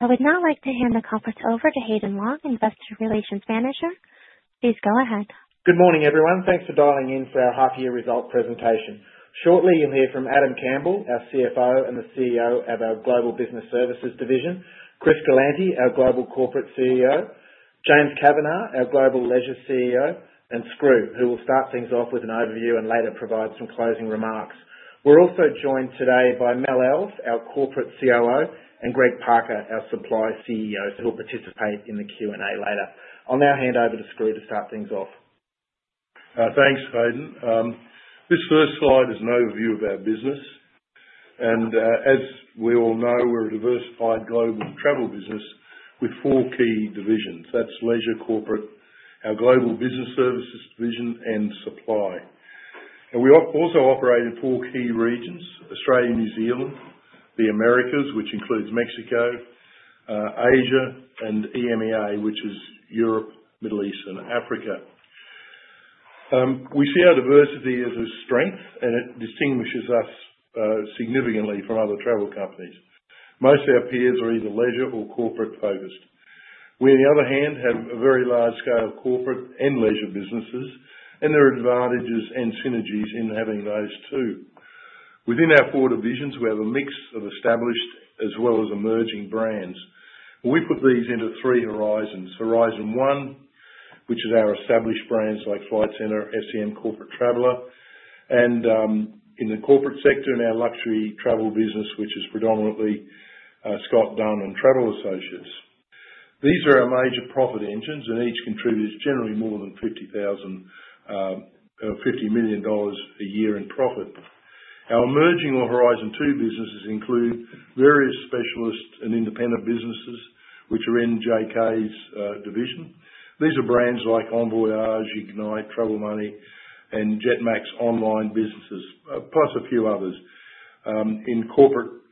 I would now like to hand the conference over to Haydn Long, Investor Relations Manager. Please go ahead. Good morning, everyone. Thanks for dialing in for our half-year result presentation. Shortly, you'll hear from Adam Campbell, our CFO and the CEO of our Global Business Services Division. Chris Galanty, our Global Corporate CEO. James Kavanagh, our Global Leisure CEO. And Skroo, who will start things off with an overview and later provide some closing remarks. We're also joined today by Mel Elf, our Corporate COO, and Greg Parker, our Supply CEO, who will participate in the Q&A later. I'll now hand over to Skroo to start things off. Thanks, Haydn. This first slide is an overview of our business. And as we all know, we're a diversified global travel business with four key divisions. That's Leisure, Corporate, our Global Business Services Division, and Supply. And we also operate in four key regions: Australia, New Zealand, the Americas, which includes Mexico, Asia, and EMEA, which is Europe, Middle East, and Africa. We see our diversity as a strength, and it distinguishes us significantly from other travel companies. Most of our peers are either leisure or corporate-focused. We, on the other hand, have a very large scale of corporate and leisure businesses, and there are advantages and synergies in having those two. Within our four divisions, we have a mix of established as well as emerging brands. We put these into three horizons: Horizon One, which is our established brands like Flight Centre, FCM, Corporate Traveller, and in the corporate sector, in our luxury travel business, which is predominantly Scott Dunn and Travel Associates. These are our major profit engines, and each contributes generally more than $50,000 or $50 million a year in profit. Our emerging or Horizon Two businesses include various specialist and independent businesses, which are in JK's division. These are brands like Envoyage, Ignite, Travel Money, and Jetmax Online Businesses, plus a few others.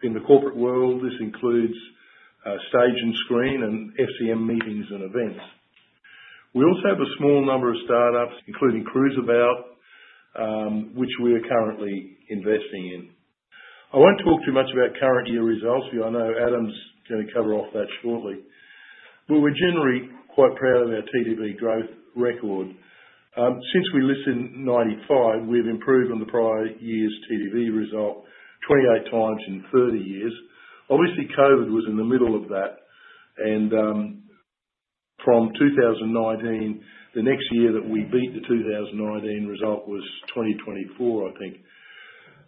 In the corporate world, this includes Stage and Screen and FCM Meetings and Events. We also have a small number of startups, including Cruiseabout, which we are currently investing in. I won't talk too much about current year results, but I know Adam's going to cover off that shortly. But we're generally quite proud of our TTV growth record. Since we listed 1995, we've improved on the prior year's TTV result 28 times in 30 years. Obviously, COVID was in the middle of that, and from 2019, the next year that we beat the 2019 result was 2024, I think.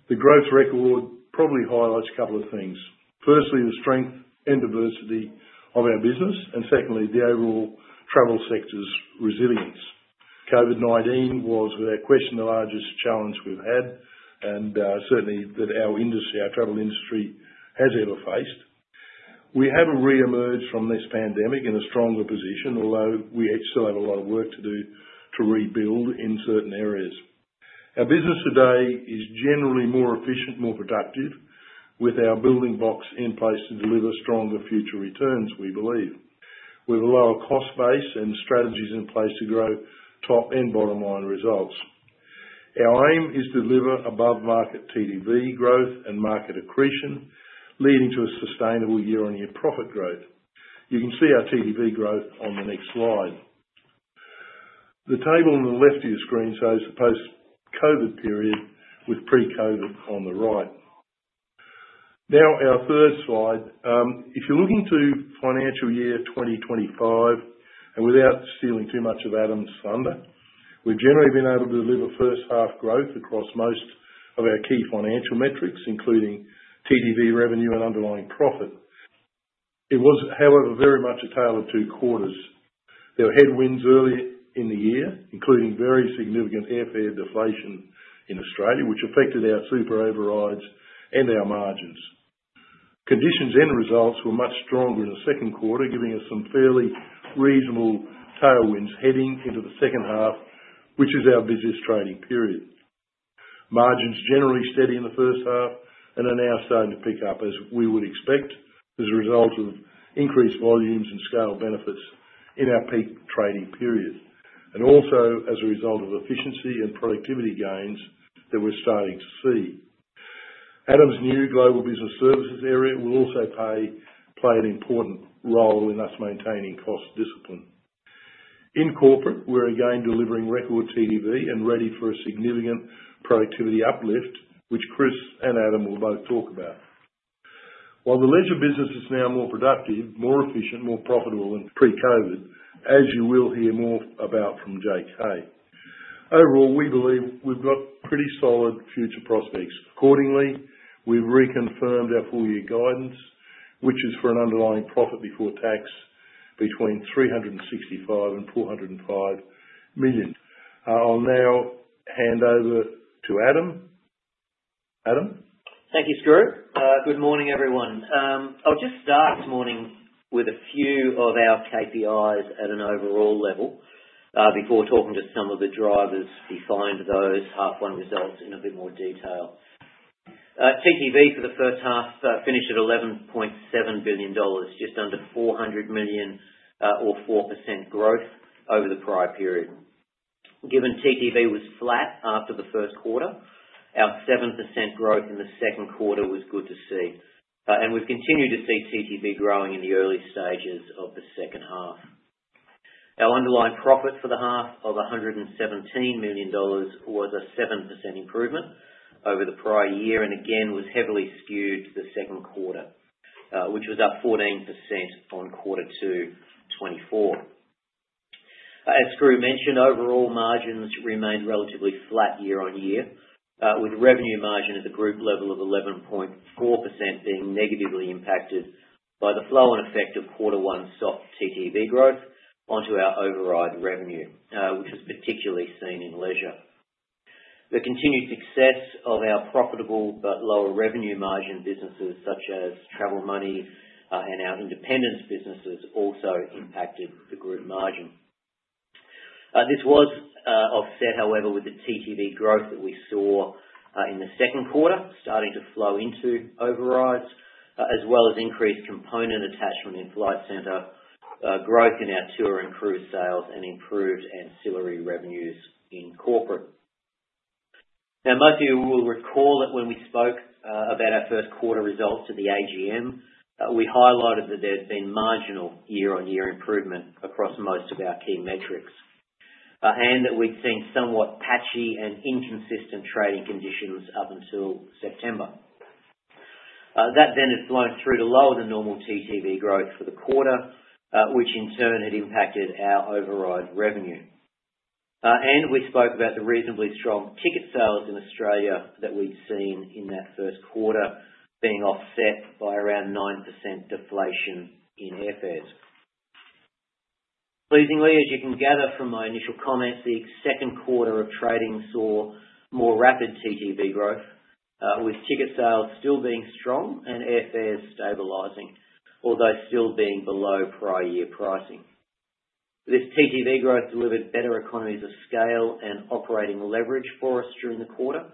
The growth record probably highlights a couple of things. Firstly, the strength and diversity of our business, and secondly, the overall travel sector's resilience. COVID-19 was, without question, the largest challenge we've had, and certainly that our industry, our travel industry, has ever faced. We have re-emerged from this pandemic in a stronger position, although we still have a lot of work to do to rebuild in certain areas. Our business today is generally more efficient, more productive, with our building blocks in place to deliver stronger future returns, we believe, with a lower cost base and strategies in place to grow top and bottom line results. Our aim is to deliver above-market TTV growth and market accretion, leading to a sustainable year-on-year profit growth. You can see our TTV growth on the next slide. The table on the left of your screen shows the post-COVID period with pre-COVID on the right. Now, our third slide. If you're looking to financial year 2025, and without stealing too much of Adam's thunder, we've generally been able to deliver first-half growth across most of our key financial metrics, including TTV revenue and underlying profit. It was, however, very much a tough two quarters. There were headwinds early in the year, including very significant airfare deflation in Australia, which affected our super overrides and our margins. Conditions and results were much stronger in the second quarter, giving us some fairly reasonable tailwinds heading into the second half, which is our business trading period. Margins generally steady in the first half and are now starting to pick up, as we would expect, as a result of increased volumes and scale benefits in our peak trading period, and also as a result of efficiency and productivity gains that we're starting to see. Adam's new global business services area will also play an important role in us maintaining cost discipline. In corporate, we're again delivering record TTV and ready for a significant productivity uplift, which Chris and Adam will both talk about. While the leisure business is now more productive, more efficient, more profitable than pre-COVID, as you will hear more about from JK. Overall, we believe we've got pretty solid future prospects. Accordingly, we've reconfirmed our full-year guidance, which is for an underlying profit before tax between $365 million and $405 million. I'll now hand over to Adam. Adam. Thank you, Skroo. Good morning, everyone. I'll just start this morning with a few of our KPIs at an overall level before talking to some of the drivers behind those half-one results in a bit more detail. TTV for the first half finished at $11.7 billion, just under $400 million or 4% growth over the prior period. Given TTV was flat after the first quarter, our 7% growth in the second quarter was good to see. We've continued to see TTV growing in the early stages of the second half. Our underlying profit for the half of $117 million was a 7% improvement over the prior year and again was heavily skewed to the second quarter, which was up 14% on quarter two 2024. As Skroo mentioned, overall margins remained relatively flat year on year, with revenue margin at the group level of 11.4% being negatively impacted by the flow-on effect of quarter one soft TTV growth onto our override revenue, which was particularly seen in leisure. The continued success of our profitable but lower revenue margin businesses such as Travel Money and our independent businesses also impacted the group margin. This was offset, however, with the TTV growth that we saw in the second quarter starting to flow into overrides, as well as increased component attachment in Flight Centre, growth in our tour and cruise sales, and improved ancillary revenues in corporate. Now, most of you will recall that when we spoke about our first quarter results to the AGM, we highlighted that there had been marginal year-on-year improvement across most of our key metrics and that we'd seen somewhat patchy and inconsistent trading conditions up until September. That then had flown through to lower than normal TTV growth for the quarter, which in turn had impacted our override revenue. And we spoke about the reasonably strong ticket sales in Australia that we'd seen in that first quarter being offset by around 9% deflation in airfares. Pleasingly, as you can gather from my initial comments, the second quarter of trading saw more rapid TTV growth, with ticket sales still being strong and airfares stabilizing, although still being below prior year pricing. This TTV growth delivered better economies of scale and operating leverage for us during the quarter,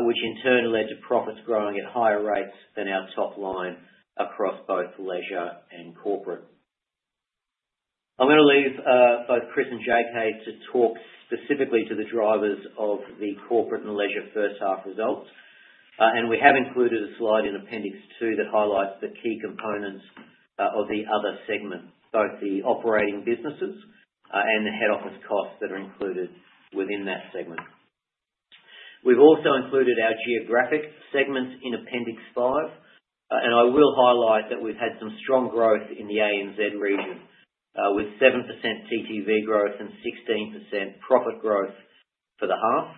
which in turn led to profits growing at higher rates than our top line across both leisure and corporate. I'm going to leave both Chris and JK to talk specifically to the drivers of the corporate and leisure first half results. And we have included a slide in Appendix Two that highlights the key components of the other segment, both the operating businesses and the head office costs that are included within that segment. We've also included our geographic segments in Appendix Five. And I will highlight that we've had some strong growth in the ANZ region with 7% TTV growth and 16% profit growth for the half.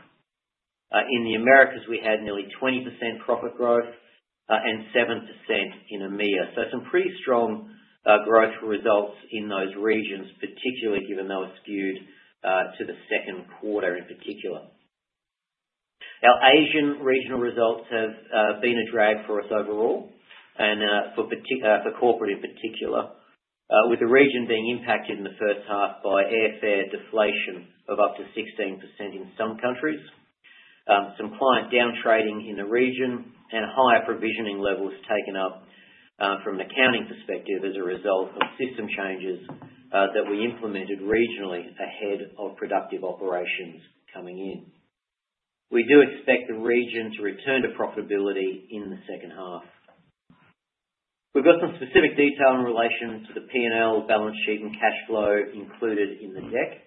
In the Americas, we had nearly 20% profit growth and 7% in EMEA. Some pretty strong growth results in those regions, particularly given they were skewed to the second quarter in particular. Our Asian regional results have been a drag for us overall and for corporate in particular, with the region being impacted in the first half by airfare deflation of up to 16% in some countries, some client down trading in the region, and higher provisioning levels taken up from an accounting perspective as a result of system changes that we implemented regionally ahead of Productive Operations coming in. We do expect the region to return to profitability in the second half. We've got some specific detail in relation to the P&L balance sheet and cash flow included in the deck.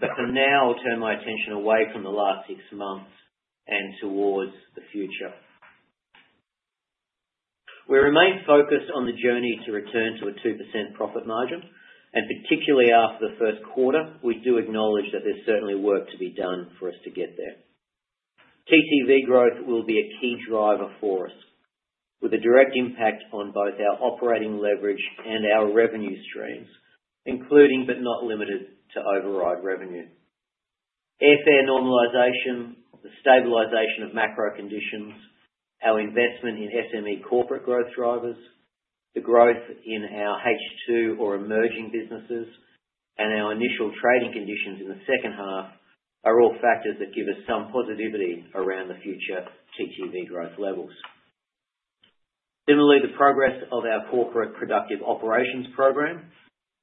But for now, I'll turn my attention away from the last six months and towards the future. We remain focused on the journey to return to a 2% profit margin, and particularly after the first quarter, we do acknowledge that there's certainly work to be done for us to get there. TTV growth will be a key driver for us, with a direct impact on both our operating leverage and our revenue streams, including but not limited to override revenue. Airfare normalization, the stabilization of macro conditions, our investment in SME corporate growth drivers, the growth in our H2 or emerging businesses, and our initial trading conditions in the second half are all factors that give us some positivity around the future TTV growth levels. Similarly, the progress of our corporate productive operations program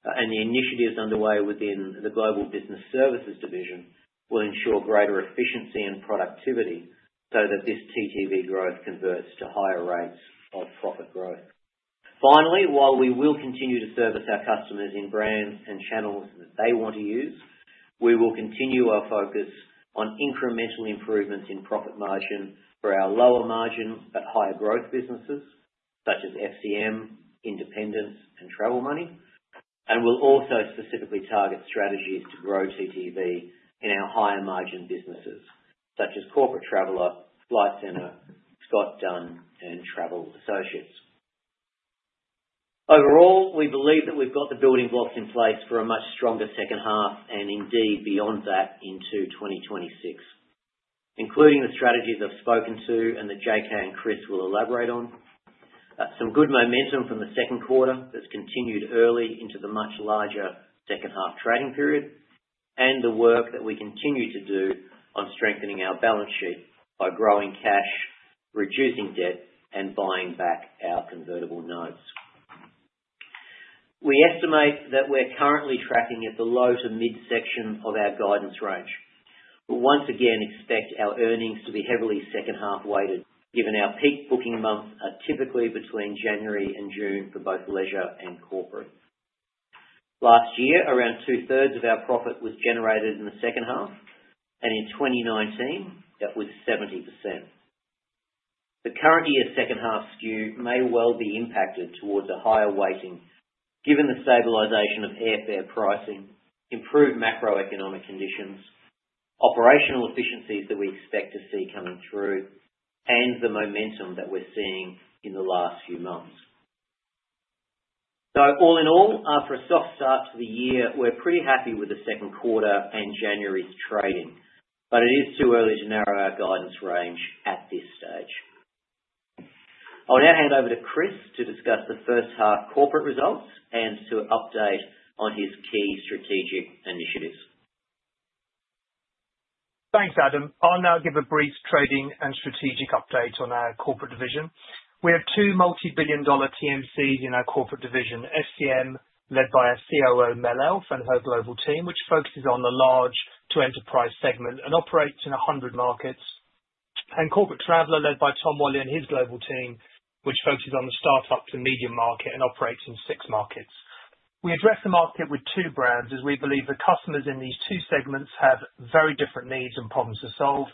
and the initiatives underway within the Global Business Services Division will ensure greater efficiency and productivity so that this TTV growth converts to higher rates of profit growth. Finally, while we will continue to service our customers in brands and channels that they want to use, we will continue our focus on incremental improvements in profit margin for our lower margin but higher growth businesses such as FCM, Independence, and Travel Money, and we'll also specifically target strategies to grow TTV in our higher margin businesses such as Corporate Traveller, Flight Centre, Scott Dunn, and Travel Associates. Overall, we believe that we've got the building blocks in place for a much stronger second half and indeed beyond that into 2026, including the strategies I've spoken to and that JK and Chris will elaborate on, some good momentum from the second quarter that's continued early into the much larger second half trading period, and the work that we continue to do on strengthening our balance sheet by growing cash, reducing debt, and buying back our convertible notes. We estimate that we're currently tracking at the low to mid section of our guidance range. We once again expect our earnings to be heavily second half weighted given our peak booking months are typically between January and June for both leisure and corporate. Last year, around two-thirds of our profit was generated in the second half, and in 2019, that was 70%. The current year's second half skew may well be impacted towards a higher weighting given the stabilization of airfare pricing, improved macroeconomic conditions, operational efficiencies that we expect to see coming through, and the momentum that we're seeing in the last few months. So all in all, after a soft start to the year, we're pretty happy with the second quarter and January's trading, but it is too early to narrow our guidance range at this stage. I'll now hand over to Chris to discuss the first half corporate results and to update on his key strategic initiatives. Thanks, Adam. I'll now give a brief trading and strategic update on our corporate division. We have two multi-billion dollar TMCs in our corporate division, FCM led by our COO, Mel Elf, and her global team, which focuses on the large-to-enterprise segment and operates in 100 markets, and Corporate Traveller led by Tom Walley and his global team, which focuses on the startup to medium market and operates in six markets. We address the market with two brands as we believe the customers in these two segments have very different needs and problems to solve,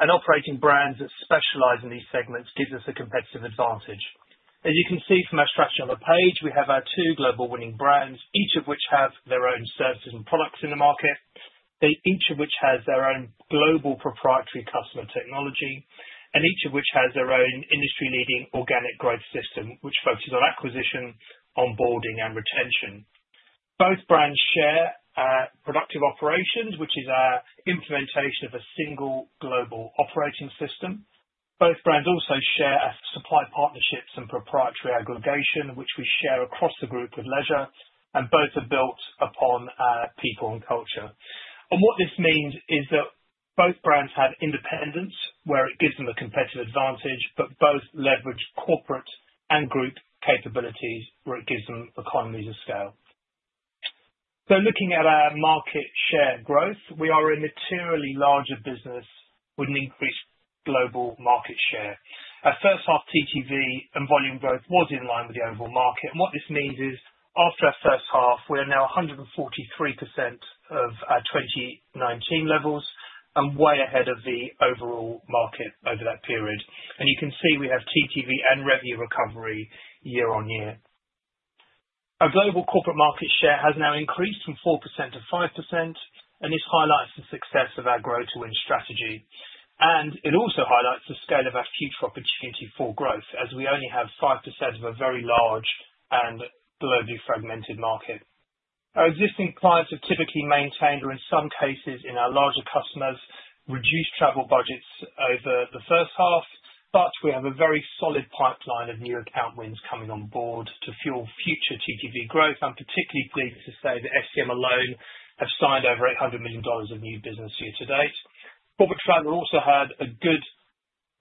and operating brands that specialize in these segments gives us a competitive advantage. As you can see from our structure on the page, we have our two global winning brands, each of which have their own services and products in the market, each of which has their own global proprietary customer technology, and each of which has their own industry-leading organic growth system, which focuses on acquisition, onboarding, and retention. Both brands share productive operations, which is our implementation of a single global operating system. Both brands also share a supply partnerships and proprietary aggregation, which we share across the group with leisure, and both are built upon our people and culture, and what this means is that both brands have independence, where it gives them a competitive advantage, but both leverage corporate and group capabilities, where it gives them economies of scale, so looking at our market share growth, we are a materially larger business with an increased global market share. Our first half TTV and volume growth was in line with the overall market. And what this means is after our first half, we are now 143% of our 2019 levels and way ahead of the overall market over that period. And you can see we have TTV and revenue recovery year on year. Our global corporate market share has now increased from 4%-5%, and this highlights the success of our Grow-to-Win strategy. And it also highlights the scale of our future opportunity for growth, as we only have 5% of a very large and globally fragmented market. Our existing clients have typically maintained, or in some cases in our larger customers, reduced travel budgets over the first half, but we have a very solid pipeline of new account wins coming on board to fuel future TTV growth. I'm particularly pleased to say that FCM alone has signed over 800 million dollars of new business year to date. Corporate Traveller also had a good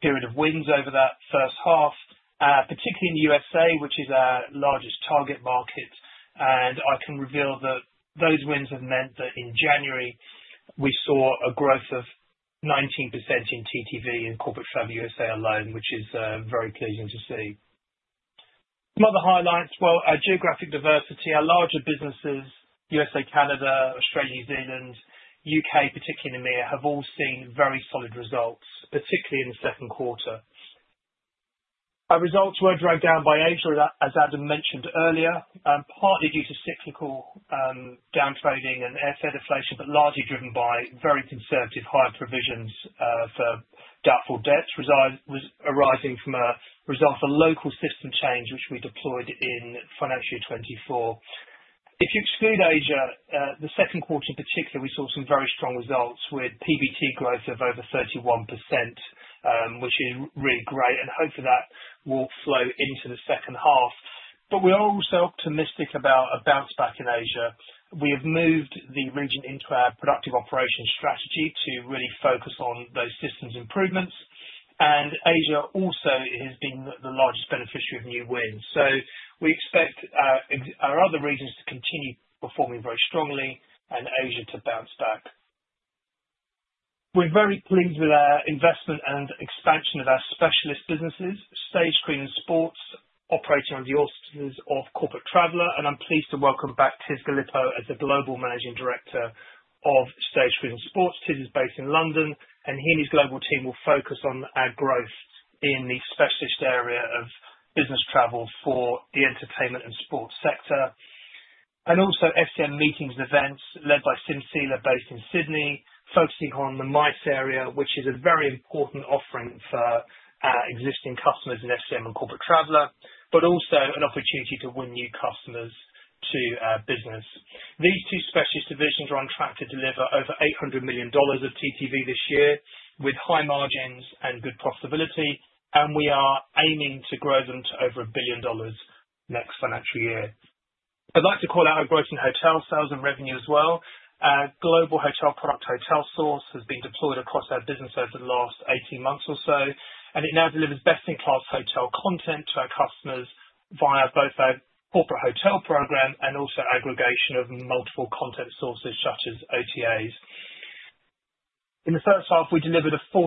period of wins over that first half, particularly in the USA, which is our largest target market. I can reveal that those wins have meant that in January, we saw a growth of 19% in TTV in Corporate Traveller USA alone, which is very pleasing to see. Some other highlights: well, our geographic diversity, our larger businesses, USA, Canada, Australia, New Zealand, U.K., particularly EMEA, have all seen very solid results, particularly in the second quarter. Our results were dragged down by Asia, as Adam mentioned earlier, partly due to cyclical down trading and airfare deflation, but largely driven by very conservative high provisions for doubtful debts arising from a result of a local system change, which we deployed in financial year 2024. If you exclude Asia, the second quarter in particular, we saw some very strong results with PBT growth of over 31%, which is really great, and hopefully that will flow into the second half. But we are also optimistic about a bounce back in Asia. We have moved the region into our Productive Operations strategy to really focus on those systems improvements. And Asia also has been the largest beneficiary of new wins. So we expect our other regions to continue performing very strongly and Asia to bounce back. We're very pleased with our investment and expansion of our specialist businesses, Stage and Screen and Sports, operating under the auspices of Corporate Traveller. And I'm pleased to welcome back Tiz Gallippo as the Global Managing Director of Stage and Screen and Sports. Tiz is based in London, and he and his global team will focus on our growth in the specialist area of business travel for the entertainment and sports sector. FCM Meetings and Events led by Simone Seiler based in Sydney focuses on the MICE area, which is a very important offering for our existing customers in FCM and Corporate Traveller, but also an opportunity to win new customers to our business. These two specialist divisions are on track to deliver over $800 million of TTV this year with high margins and good profitability, and we are aiming to grow them to over $1 billion next financial year. I'd like to call out our growth in hotel sales and revenue as well. Global Hotel Product, HotelSource, has been deployed across our business over the last 18 months or so, and it now delivers best-in-class hotel content to our customers via both our corporate hotel program and also aggregation of multiple content sources such as OTAs. In the first half, we delivered a 14%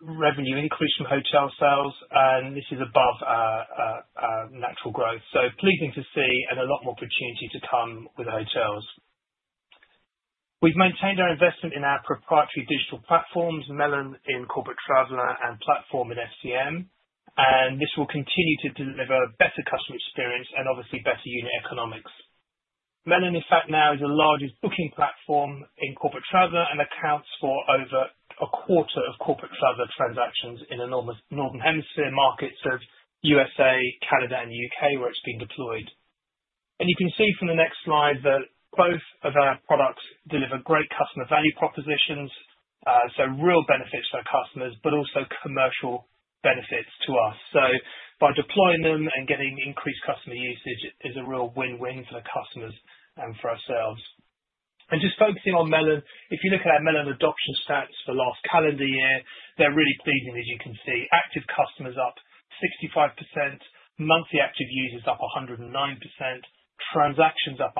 revenue increase from hotel sales, and this is above our natural growth. So pleasing to see and a lot more opportunity to come with hotels. We've maintained our investment in our proprietary digital platforms, Melon in Corporate Traveller and Platform in FCM, and this will continue to deliver better customer experience and obviously better unit economics. Melon, in fact, now is the largest booking platform in Corporate Traveller and accounts for over a quarter of Corporate Traveller transactions in the northern hemisphere markets of USA, Canada, and U.K., where it's been deployed. And you can see from the next slide that both of our products deliver great customer value propositions, so real benefits for our customers, but also commercial benefits to us. So by deploying them and getting increased customer usage is a real win-win for the customers and for ourselves. And just focusing on Melon, if you look at our Melon adoption stats for last calendar year, they're really pleasing, as you can see. Active customers up 65%, monthly active users up 109%, transactions up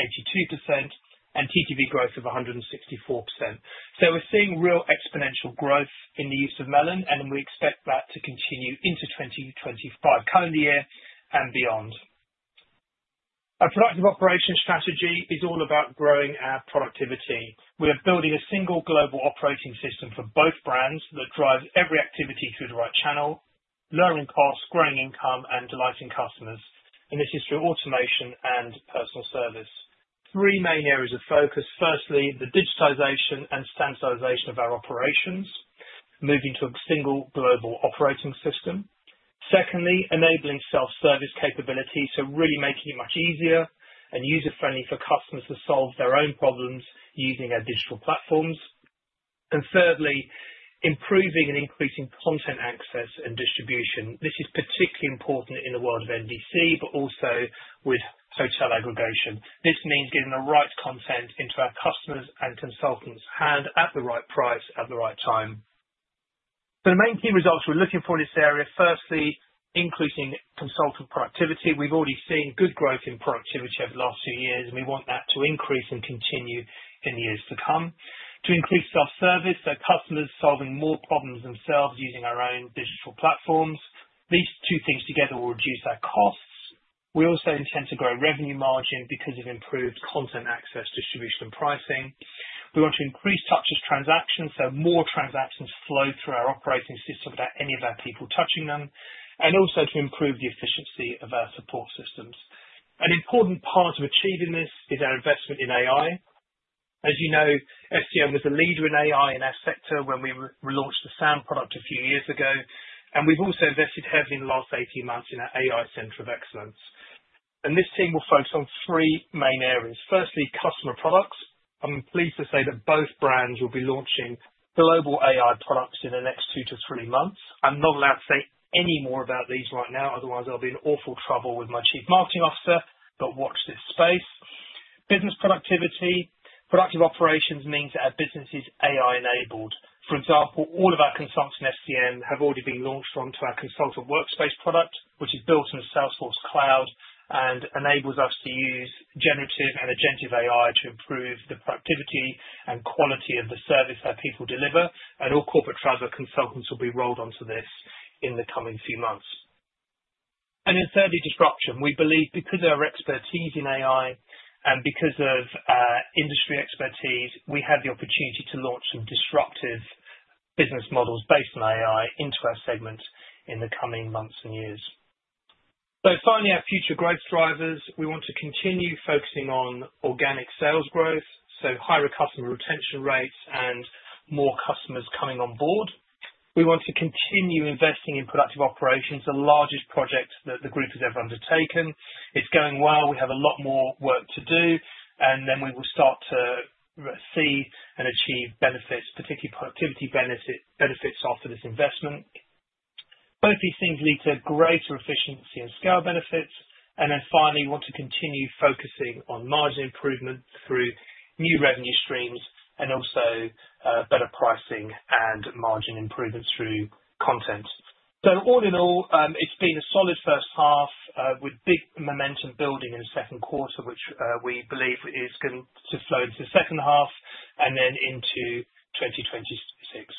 182%, and TTV growth of 164%. So we're seeing real exponential growth in the use of Melon, and we expect that to continue into 2025, calendar year, and beyond. Our productive operation strategy is all about growing our productivity. We are building a single global operating system for both brands that drives every activity through the right channel, lowering costs, growing income, and delighting customers. This is through automation and personal service. Three main areas of focus. Firstly, the digitization and standardization of our operations, moving to a single global operating system. Secondly, enabling self-service capabilities to really make it much easier and user-friendly for customers to solve their own problems using our digital platforms. And thirdly, improving and increasing content access and distribution. This is particularly important in the world of NDC, but also with hotel aggregation. This means getting the right content into our customers' and consultants' hands at the right price at the right time. So the main key results we're looking for in this area, firstly, increasing consultant productivity. We've already seen good growth in productivity over the last few years, and we want that to increase and continue in the years to come. To increase self-service, our customers are solving more problems themselves using our own digital platforms. These two things together will reduce our costs. We also intend to grow revenue margin because of improved content access, distribution, and pricing. We want to increase touchless transactions, so more transactions flow through our operating system without any of our people touching them, and also to improve the efficiency of our support systems. An important part of achieving this is our investment in AI. As you know, FCM was a leader in AI in our sector when we launched the Sam product a few years ago, and we've also invested heavily in the last 18 months in our AI Center of Excellence, and this team will focus on three main areas. Firstly, customer products. I'm pleased to say that both brands will be launching global AI products in the next two to three months. I'm not allowed to say any more about these right now, otherwise I'll be in awful trouble with my chief marketing officer, but watch this space. Business productivity, Productive Operations means that our business is AI-enabled. For example, all of our consultants in FCM have already been launched onto our Consultant Workspace product, which is built on the Salesforce Cloud and enables us to use generative and agentive AI to improve the productivity and quality of the service that people deliver. And all Corporate Traveller consultants will be rolled onto this in the coming few months. And then thirdly, disruption. We believe because of our expertise in AI and because of industry expertise, we have the opportunity to launch some disruptive business models based on AI into our segment in the coming months and years. So finally, our future growth drivers. We want to continue focusing on organic sales growth, so higher customer retention rates and more customers coming on board. We want to continue investing in productive operations, the largest project that the group has ever undertaken. It's going well. We have a lot more work to do, and then we will start to see and achieve benefits, particularly productivity benefits after this investment. Both these things lead to greater efficiency and scale benefits. And then finally, we want to continue focusing on margin improvement through new revenue streams and also better pricing and margin improvement through content. So all in all, it's been a solid first half with big momentum building in the second quarter, which we believe is going to flow into the second half and then into 2026.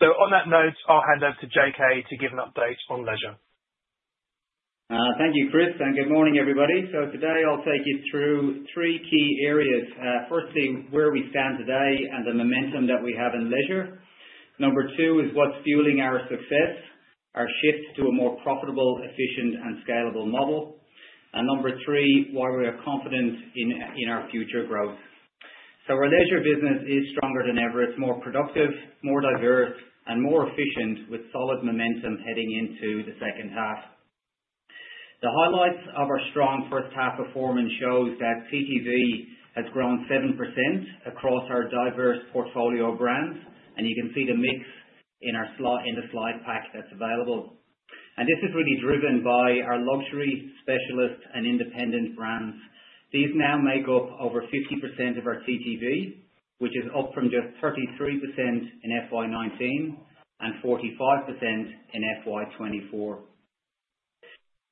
So on that note, I'll hand over to JK to give an update on leisure. Thank you, Chris. Good morning, everybody. Today, I'll take you through three key areas. Firstly, where we stand today and the momentum that we have in leisure. Number two is what's fueling our success, our shift to a more profitable, efficient, and scalable model. Number three, why we are confident in our future growth. Our leisure business is stronger than ever. It's more productive, more diverse, and more efficient with solid momentum heading into the second half. The highlights of our strong first half performance show that TTV has grown 7% across our diverse portfolio of brands, and you can see the mix in the slide pack that's available. This is really driven by our luxury specialist and independent brands. These now make up over 50% of our TTV, which is up from just 33% in FY 2019 and 45% in FY 2024.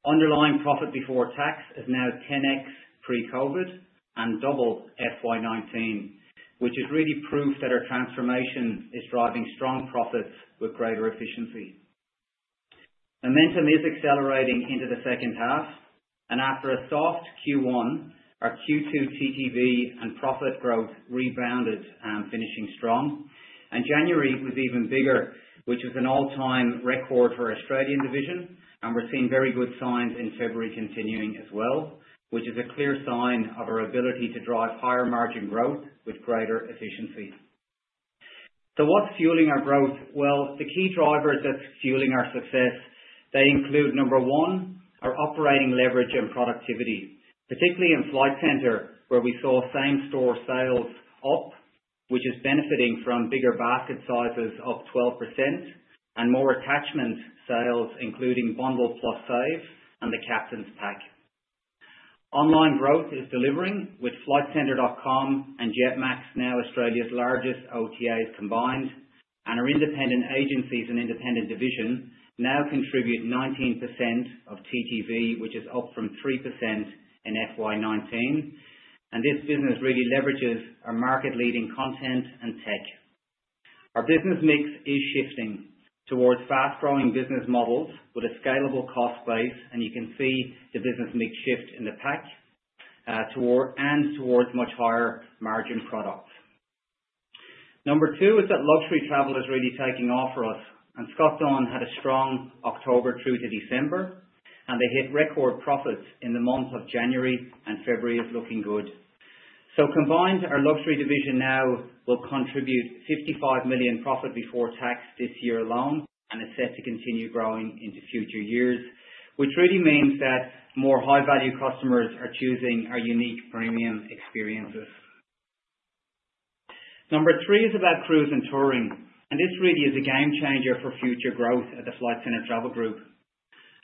Underlying profit before tax is now 10x pre-COVID and double FY19, which has really proved that our transformation is driving strong profits with greater efficiency. Momentum is accelerating into the second half, and after a soft Q1, our Q2 TTV and profit growth rebounded and finishing strong, and January was even bigger, which was an all-time record for our Australian division, and we're seeing very good signs in February continuing as well, which is a clear sign of our ability to drive higher margin growth with greater efficiency, so what's fueling our growth? Well, the key drivers that's fueling our success, they include number one, our operating leverage and productivity, particularly in Flight Centre, where we saw same-store sales up, which is benefiting from bigger basket sizes up 12% and more attachment sales, including Bundle + Save and the Captain's Pack. Online growth is delivering with flightcentre.com and Jetmax, now Australia's largest OTAs combined, and our independent agencies and independent division now contribute 19% of TTV, which is up from 3% in FY19. This business really leverages our market-leading content and tech. Our business mix is shifting towards fast-growing business models with a scalable cost base, and you can see the business mix shift in the pack and towards much higher margin products. Number two is that luxury travel is really taking off for us, and Scott Dunn had a strong October through to December, and they hit record profits in the month of January, and February is looking good. Combined, our luxury division now will contribute 55 million profit before tax this year alone and is set to continue growing into future years, which really means that more high-value customers are choosing our unique premium experiences. Number three is about cruise and touring, and this really is a game changer for future growth at the Flight Centre Travel Group.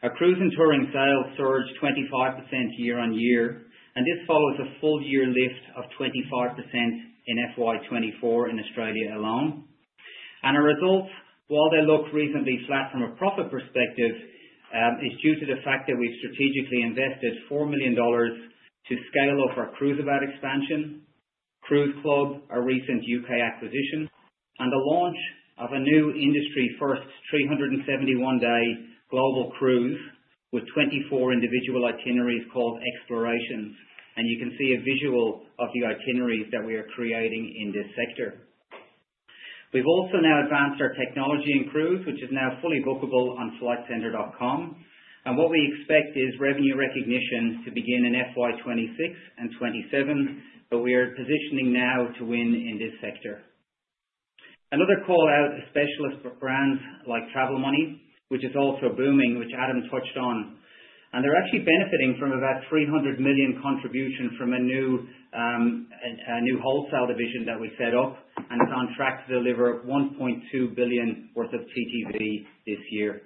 Our cruise and touring sales surged 25% year on year, and this follows a full-year lift of 25% in FY 2024 in Australia alone, and our results, while they look reasonably flat from a profit perspective, is due to the fact that we've strategically invested 4 million dollars to scale up our Cruiseabout expansion, Cruise Club, our recent UK acquisition, and the launch of a new industry-first 371-day global cruise with 24 individual itineraries called Explorations, and you can see a visual of the itineraries that we are creating in this sector. We've also now advanced our technology in cruise, which is now fully bookable on flightcentre.com. What we expect is revenue recognition to begin in FY 2026 and FY 2027, but we are positioning now to win in this sector. Another call out is specialist brands like Travel Money, which is also booming, which Adam touched on. They're actually benefiting from about 300 million contribution from a new wholesale division that we set up and is on track to deliver 1.2 billion worth of TTV this year.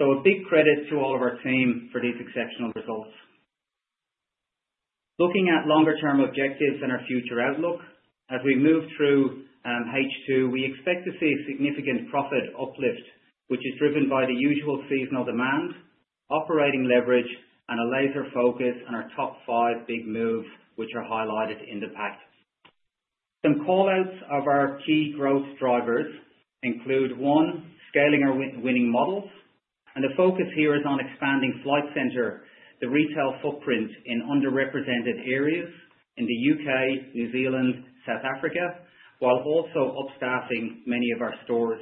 A big credit to all of our team for these exceptional results. Looking at longer-term objectives and our future outlook, as we move through H2, we expect to see a significant profit uplift, which is driven by the usual seasonal demand, operating leverage, and a laser focus on our top five big moves, which are highlighted in the pack. Some callouts of our key growth drivers include one, scaling our winning models, and the focus here is on expanding Flight Centre, the retail footprint in underrepresented areas in the U.K., New Zealand, South Africa, while also upstaffing many of our stores.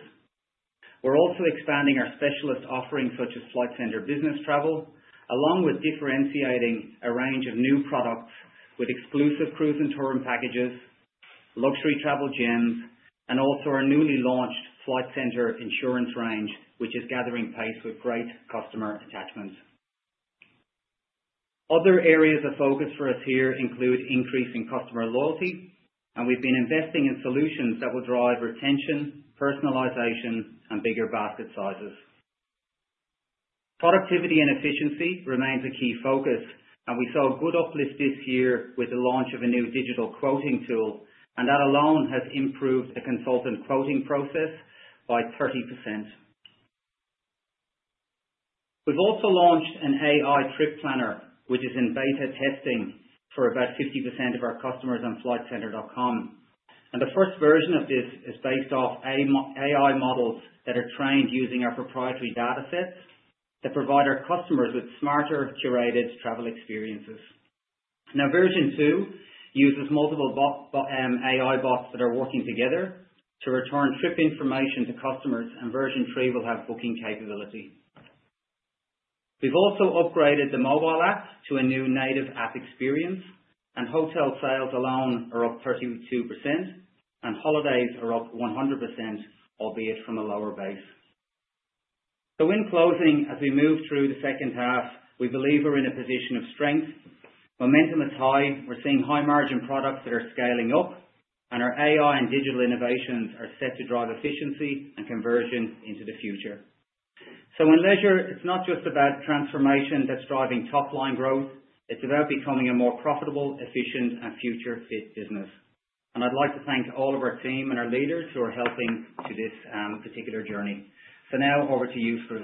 We're also expanding our specialist offerings such as Flight Centre Business Travel, along with differentiating a range of new products with exclusive cruise and touring packages, luxury travel gems, and also our newly launched Flight Centre Insurance range, which is gathering pace with great customer attachments. Other areas of focus for us here include increasing customer loyalty, and we've been investing in solutions that will drive retention, personalization, and bigger basket sizes. Productivity and efficiency remain a key focus, and we saw a good uplift this year with the launch of a new digital quoting tool, and that alone has improved the consultant quoting process by 30%. We've also launched an AI trip planner, which is in beta testing for about 50% of our customers on flightcentre.com, and the first version of this is based off AI models that are trained using our proprietary datasets that provide our customers with smarter curated travel experiences. Now, version two uses multiple AI bots that are working together to return trip information to customers, and version three will have booking capability. We've also upgraded the mobile app to a new native app experience, and hotel sales alone are up 32%, and holidays are up 100%, albeit from a lower base, so in closing, as we move through the second half, we believe we're in a position of strength. Momentum is high. We're seeing high-margin products that are scaling up, and our AI and digital innovations are set to drive efficiency and conversion into the future. In leisure, it's not just about transformation that's driving top-line growth. It's about becoming a more profitable, efficient, and future-fit business. And I'd like to thank all of our team and our leaders who are helping with this particular journey. So now, over to you, Chris.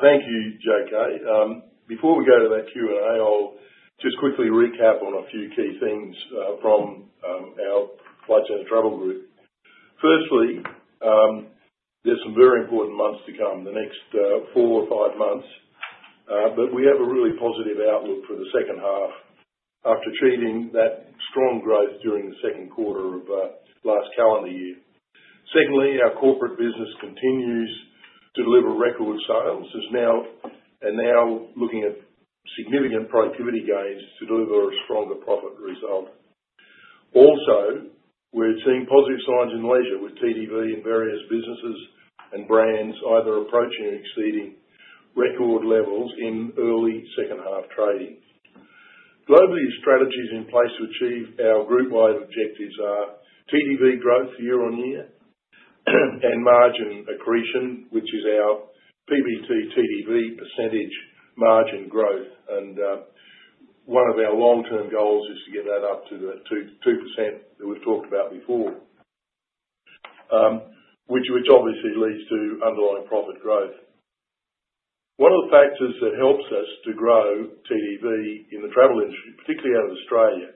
Thank you, JK. Before we go to that Q&A, I'll just quickly recap on a few key things from our Flight Centre Travel Group. Firstly, there's some very important months to come, the next four or five months, but we have a really positive outlook for the second half after building on that strong growth during the second quarter of last calendar year. Secondly, our corporate business continues to deliver record sales, and now looking at significant productivity gains to deliver a stronger profit result. Also, we're seeing positive signs in leisure with TTV and various businesses and brands either approaching or exceeding record levels in early second half trading. Globally, the strategies in place to achieve our group-wide objectives are TTV growth year on year and margin accretion, which is our PBT TTV percentage margin growth. One of our long-term goals is to get that up to the 2% that we've talked about before, which obviously leads to underlying profit growth. One of the factors that helps us to grow TTV in the travel industry, particularly out of Australia,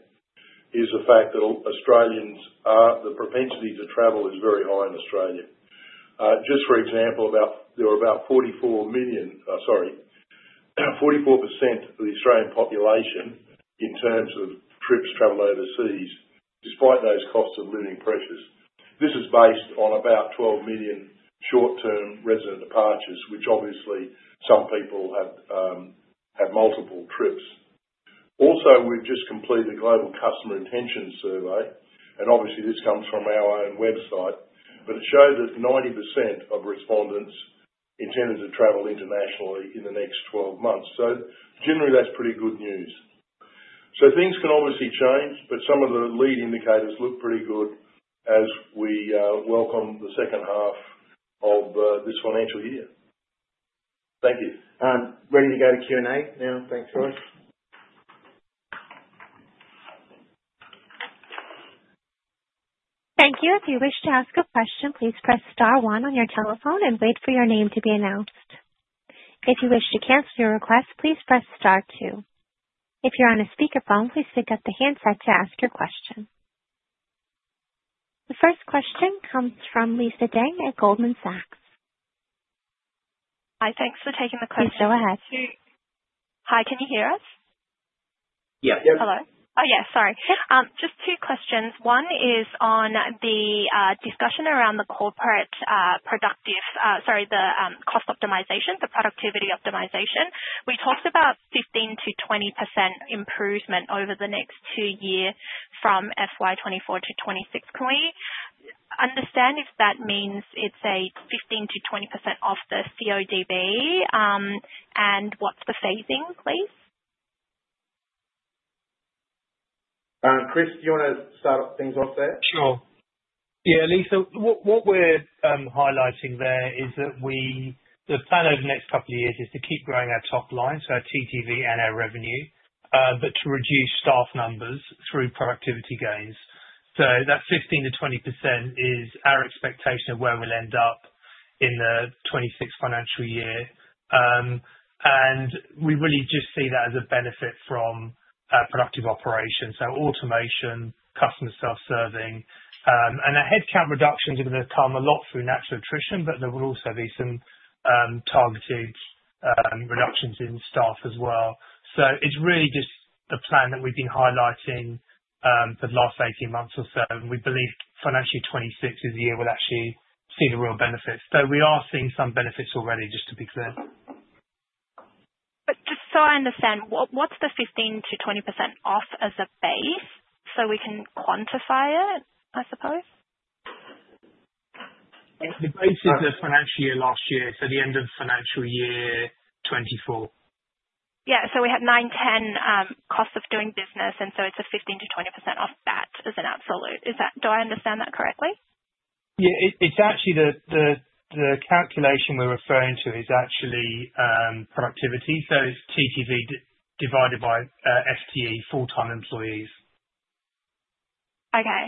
is the fact that Australians are the propensity to travel is very high in Australia. Just for example, there are about 44 million, sorry, 44% of the Australian population in terms of trips travel overseas, despite those costs of living pressures. This is based on about 12 million short-term resident departures, which obviously some people have multiple trips. Also, we've just completed a global customer intention survey, and obviously, this comes from our own website, but it showed that 90% of respondents intended to travel internationally in the next 12 months. So generally, that's pretty good news. So things can obviously change, but some of the lead indicators look pretty good as we welcome the second half of this financial year. Thank you. Ready to go to Q&A now. Thanks, Chris. Thank you. If you wish to ask a question, please press star one on your telephone and wait for your name to be announced. If you wish to cancel your request, please press star two. If you're on a speakerphone, please pick up the handset to ask your question. The first question comes from Lisa Deng at Goldman Sachs. Hi. Thanks for taking the call. Please go ahead. Hi. Can you hear us? Yes. Yes. Hello. Oh, yes. Sorry. Just two questions. One is on the discussion around the corporate productive, sorry, the cost optimization, the productivity optimization. We talked about 15%-20% improvement over the next two years from FY 2024 to FY 2026. Can we understand if that means it's a 15%-20% off the CODB? And what's the phasing, please? Chris, do you want to start things off there? Sure. Yeah, Lisa, what we're highlighting there is that the plan over the next couple of years is to keep growing our top line, so our TTV and our revenue, but to reduce staff numbers through productivity gains. So that 15%-20% is our expectation of where we'll end up in the 2026 financial year. We really just see that as a benefit from productive operations, so automation, customer self-service. Our headcount reductions are going to come a lot through natural attrition, but there will also be some targeted reductions in staff as well. It's really just the plan that we've been highlighting for the last 18 months or so. We believe financially 2026 is the year we'll actually see the real benefits. We are seeing some benefits already, just to be clear. Just so I understand, what's the 15%-20% off as a base so we can quantify it, I suppose? The base is the financial year last year, so the end of financial year 2024. Yeah. So we have 910 cost of doing business, and so it's a 15%-20% off that as an absolute. Do I understand that correctly? Yeah. It's actually the calculation we're referring to is actually productivity. So it's TTV divided by FTE, full-time employees. Okay.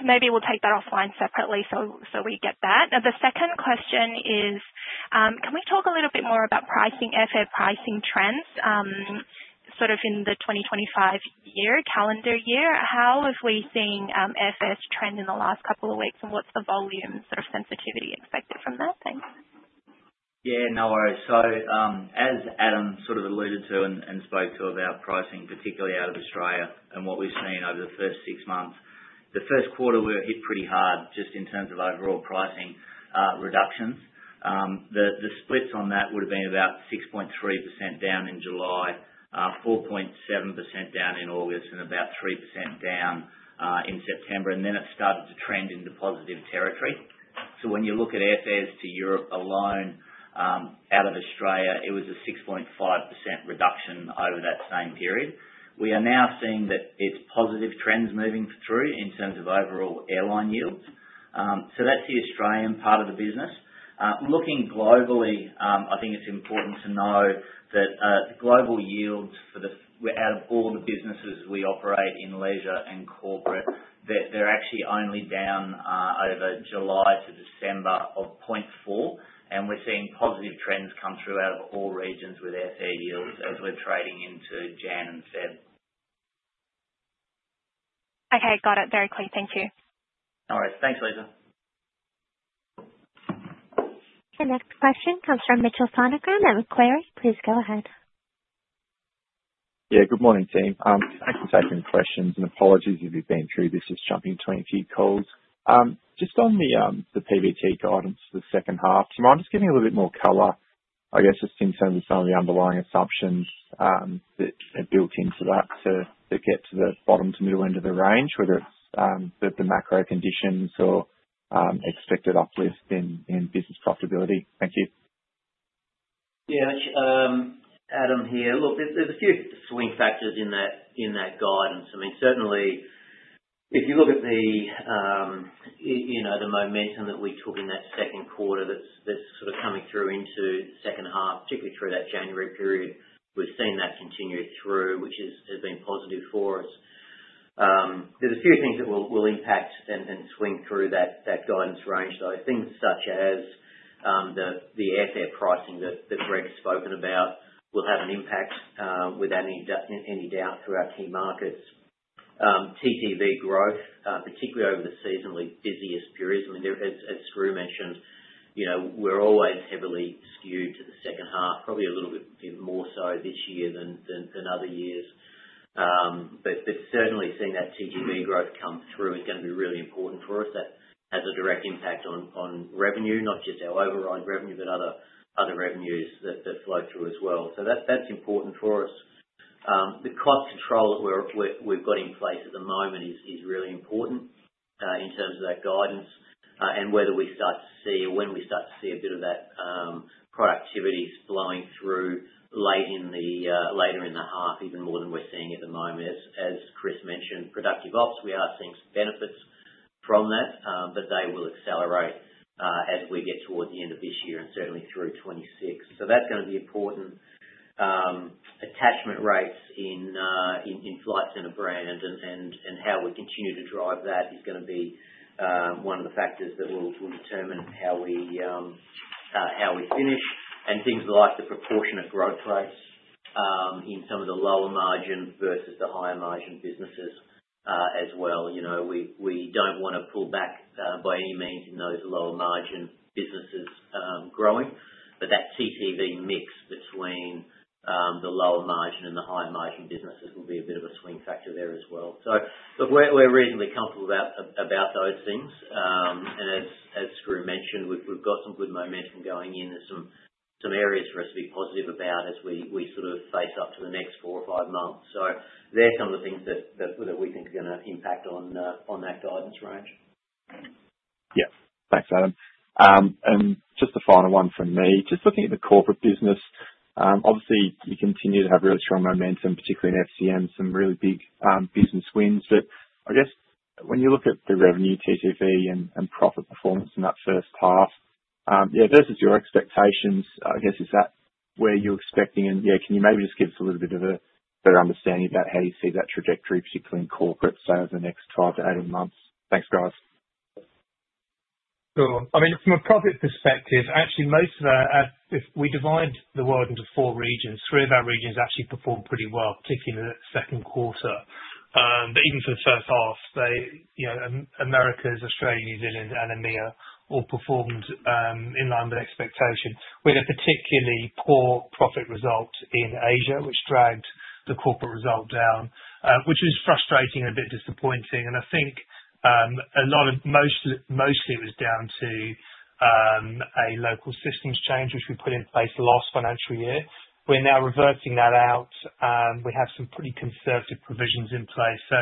Maybe we'll take that offline separately so we get that. The second question is, can we talk a little bit more about pricing, airfare pricing trends sort of in the 2025 calendar year? How have we seen airfares trend in the last couple of weeks, and what's the volume sort of sensitivity expected from that? Thanks. Yeah. No worries. So as Adam sort of alluded to and spoke to about pricing, particularly out of Australia and what we've seen over the first six months, the first quarter we were hit pretty hard just in terms of overall pricing reductions. The split on that would have been about 6.3% down in July, 4.7% down in August, and about 3% down in September. And then it started to trend into positive territory. So when you look at airfares to Europe alone out of Australia, it was a 6.5% reduction over that same period. We are now seeing that it's positive trends moving through in terms of overall airline yields. So that's the Australian part of the business. Looking globally, I think it's important to know that the global yields for the out of all the businesses we operate in leisure and corporate, they're actually only down over July to December of 0.4%. And we're seeing positive trends come through out of all regions with airfare yields as we're trading into January and February. Okay. Got it. Very clear. Thank you. All right. Thanks, Lisa. The next question comes from Mitchell Sonogan at Macquarie. Please go ahead. Yeah. Good morning, team. Thanks for taking the questions. And apologies if you've been through. This is jumping between a few calls. Just on the PBT guidance for the second half tomorrow, just give me a little bit more color, I guess, just in terms of some of the underlying assumptions that are built into that to get to the bottom to middle end of the range, whether it's the macro conditions or expected uplift in business profitability? Thank you. Yeah. Adam here. Look, there's a few swing factors in that guidance. I mean, certainly, if you look at the momentum that we took in that second quarter that's sort of coming through into the second half, particularly through that January period, we've seen that continue through, which has been positive for us. There's a few things that will impact and swing through that guidance range, though. Things such as the airfare pricing that Greg's spoken about will have an impact, without any doubt, through our key markets. TTV growth, particularly over the seasonally busiest periods. I mean, as Skroo mentioned, we're always heavily skewed to the second half, probably a little bit more so this year than other years. But certainly, seeing that TTV growth come through is going to be really important for us. That has a direct impact on revenue, not just our overall revenue, but other revenues that flow through as well. So that's important for us. The cost control that we've got in place at the moment is really important in terms of that guidance and whether we start to see or when we start to see a bit of that productivity flowing through later in the half, even more than we're seeing at the moment. As Chris mentioned, productive ops, we are seeing some benefits from that, but they will accelerate as we get towards the end of this year and certainly through 2026. So that's going to be important. Attachment rates in Flight Centre Brand and how we continue to drive that is going to be one of the factors that will determine how we finish. And things like the proportionate growth rates in some of the lower margin versus the higher margin businesses as well. We don't want to pull back by any means in those lower margin businesses growing. But that TTV mix between the lower margin and the higher margin businesses will be a bit of a swing factor there as well. So we're reasonably comfortable about those things. And as Skroo mentioned, we've got some good momentum going in and some areas for us to be positive about as we sort of face up to the next four or five months. So there are some of the things that we think are going to impact on that guidance range. Yeah. Thanks, Adam. And just a final one from me. Just looking at the corporate business, obviously, we continue to have really strong momentum, particularly in FCM, some really big business wins. But I guess when you look at the revenue, TTV, and profit performance in that first half, yeah, versus your expectations, I guess, is that where you're expecting? And yeah, can you maybe just give us a little bit of a better understanding about how you see that trajectory, particularly in corporate sales in the next five to eight months? Thanks, guys. Cool. I mean, from a profit perspective, actually, most of our, if we divide the world into four regions, three of our regions actually performed pretty well, particularly in the second quarter. But even for the first half, Americas, Australia, New Zealand, and EMEA all performed in line with expectations. We had a particularly poor profit result in Asia, which dragged the corporate result down, which was frustrating and a bit disappointing. And I think a lot of, mostly it was down to a local systems change, which we put in place last financial year. We're now reversing that out. We have some pretty conservative provisions in place. So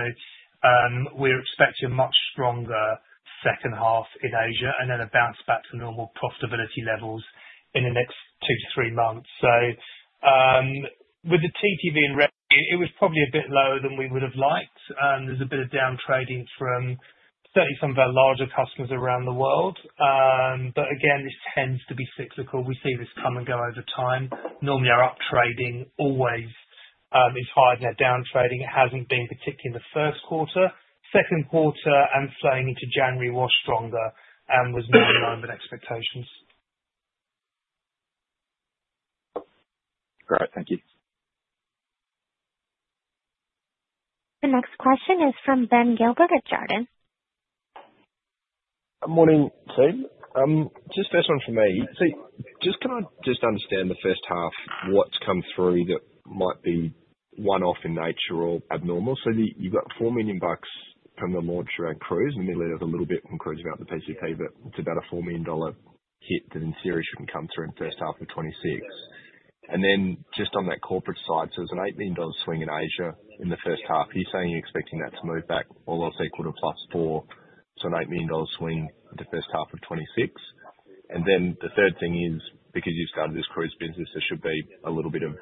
we're expecting a much stronger second half in Asia and then a bounce back to normal profitability levels in the next two to three months. So with the TTV and revenue, it was probably a bit lower than we would have liked. There's a bit of downtrading from certainly some of our larger customers around the world. But again, this tends to be cyclical. We see this come and go over time. Normally, our uptrading always is higher than our downtrading. It hasn't been particularly in the first quarter. Second quarter and slowing into January was stronger and was more in line with expectations. Great. Thank you. The next question is from Ben Gilbert at Jarden. Morning, team. Just first one from me. So just can I just understand the first half, what's come through that might be one-off in nature or abnormal? So you've got 4 million bucks from the launch around Cruiseabout. I mean, a little bit from Cruiseabout the PCP, but it's about a 4 million dollar hit that in theory shouldn't come through in the first half of 2026. And then just on that corporate side, so there's an $8 million swing in Asia in the first half. Are you saying you're expecting that to move back almost equal to +4? So an $8 million swing in the first half of 2026. And then the third thing is, because you've started this Cruise business, there should be a little bit of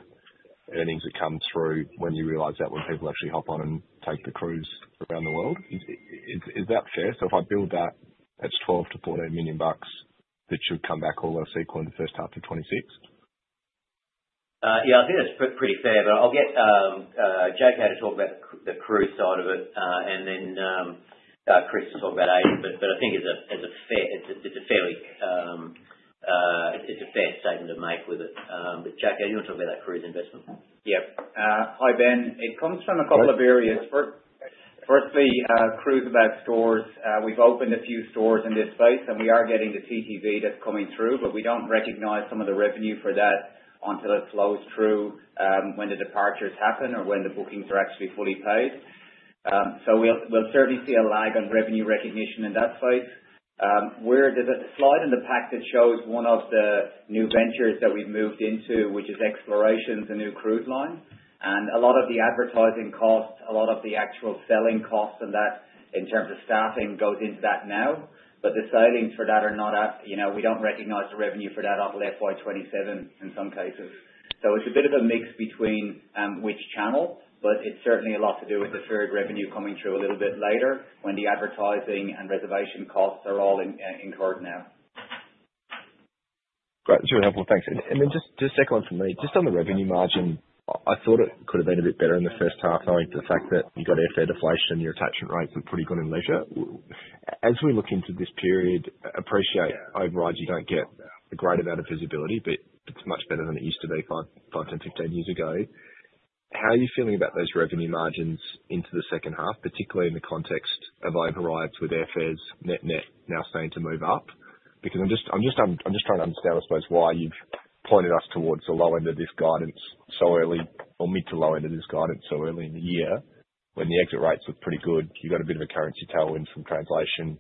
earnings that come through when you realize that when people actually hop on and take the Cruise around the world. Is that fair? So if I build that, that's $12 million-$14 million that should come back almost equal in the first half of 2026. Yeah. I think that's pretty fair. But I'll get JK out to talk about the Cruise side of it, and then Chris to talk about Asia. But I think it's a fair statement to make with it. But JK, you want to talk about that Cruise investment? Yeah. Hi, Ben. It comes from a couple of areas. Firstly, Cruiseabout stores. We've opened a few stores in this space, and we are getting the TTV that's coming through, but we don't recognize some of the revenue for that until it flows through when the departures happen or when the bookings are actually fully paid. So we'll certainly see a lag on revenue recognition in that space. We're at a slide in the pack that shows one of the new ventures that we've moved into, which is Explorations, a new cruise line. And a lot of the advertising costs, a lot of the actual selling costs and that in terms of staffing goes into that now. But the sales for that are not. We don't recognize the revenue for that out of FY 2027 in some cases. It's a bit of a mix between which channel, but it's certainly a lot to do with the TTV revenue coming through a little bit later when the advertising and reservation costs are all incurred now. Great. That's really helpful. Thanks. Then just the second one from me. Just on the revenue margin, I thought it could have been a bit better in the first half knowing the fact that you've got airfare deflation, your attachment rates are pretty good in leisure. As we look into this period, I appreciate overrides you don't get a great amount of visibility, but it's much better than it used to be five, 10, 15 years ago. How are you feeling about those revenue margins into the second half, particularly in the context of overrides with airfares net-net now starting to move up? Because I'm just trying to understand, I suppose, why you've pointed us towards the low end of this guidance so early or mid to low end of this guidance so early in the year when the exit rates were pretty good. You've got a bit of a currency tailwind from translation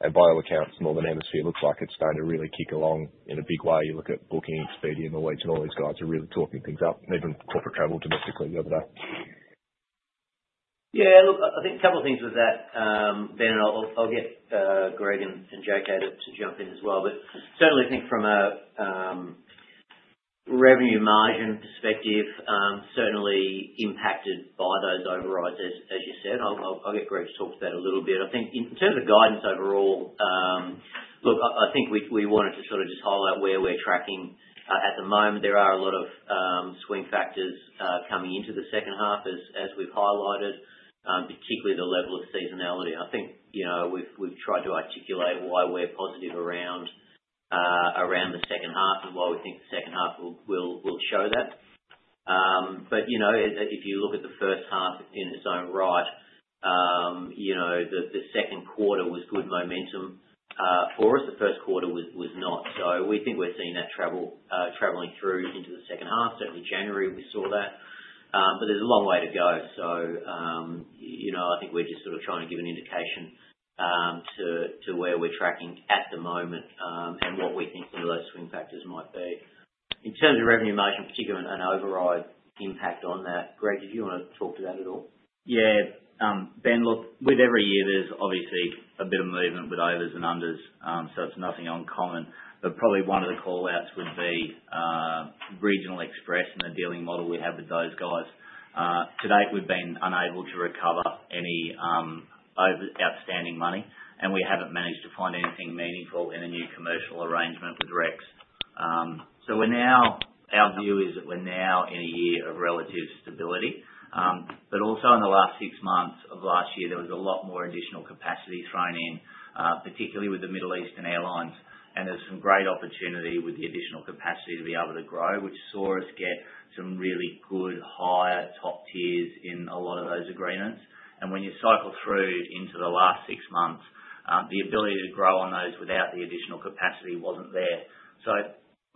and by all accounts, Northern Hemisphere looks like it's starting to really kick along in a big way. You look at Booking, Expedia, and all these guys are really talking things up, even Corporate Traveller domestically the other day. Yeah. Look, I think a couple of things with that, Ben. And I'll get Greg and JK out to jump in as well. But certainly, I think from a revenue margin perspective, certainly impacted by those overrides, as you said. I'll get Greg to talk to that a little bit. I think in terms of guidance overall, look, I think we wanted to sort of just highlight where we're tracking at the moment. There are a lot of swing factors coming into the second half, as we've highlighted, particularly the level of seasonality. I think we've tried to articulate why we're positive around the second half and why we think the second half will show that. But if you look at the first half in its own right, the second quarter was good momentum for us. The first quarter was not. So we think we're seeing that traveling through into the second half. Certainly, January, we saw that. But there's a long way to go. So I think we're just sort of trying to give an indication to where we're tracking at the moment and what we think some of those swing factors might be. In terms of revenue margin, particularly an override impact on that, Greg, did you want to talk to that at all? Yeah. Ben, look, with every year, there's obviously a bit of movement with overs and unders. So it's nothing uncommon. But probably one of the callouts would be Regional Express and the trading model we have with those guys. To date, we've been unable to recover any outstanding money, and we haven't managed to find anything meaningful in a new commercial arrangement with Rex. So our view is that we're now in a year of relative stability. But also, in the last six months of last year, there was a lot more additional capacity thrown in, particularly with the Middle Eastern airlines. And there's some great opportunity with the additional capacity to be able to grow, which saw us get some really good higher top tiers in a lot of those agreements. And when you cycle through into the last six months, the ability to grow on those without the additional capacity wasn't there. So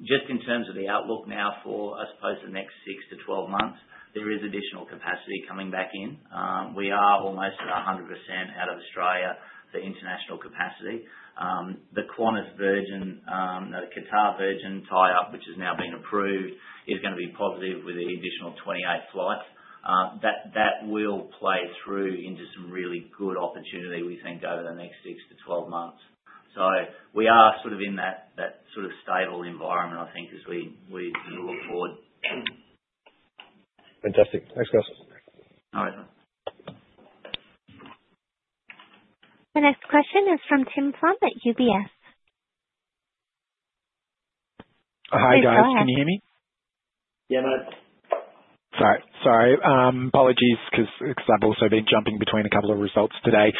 just in terms of the outlook now for, I suppose, the next six to 12 months, there is additional capacity coming back in. We are almost 100% out of Australia for international capacity. The Qantas Virgin Qatar Virgin tie-up, which is now being approved, is going to be positive with the additional 28 flights. That will play through into some really good opportunity, we think, over the next six to 12 months. So we are sort of in that sort of stable environment, I think, as we look forward. Fantastic. Thanks, guys. All right. The next question is from Tim Plumbe at UBS. Hi, guys. Can you hear me? Yeah, mate. Sorry. Sorry. Apologies because I've also been jumping between a couple of results today.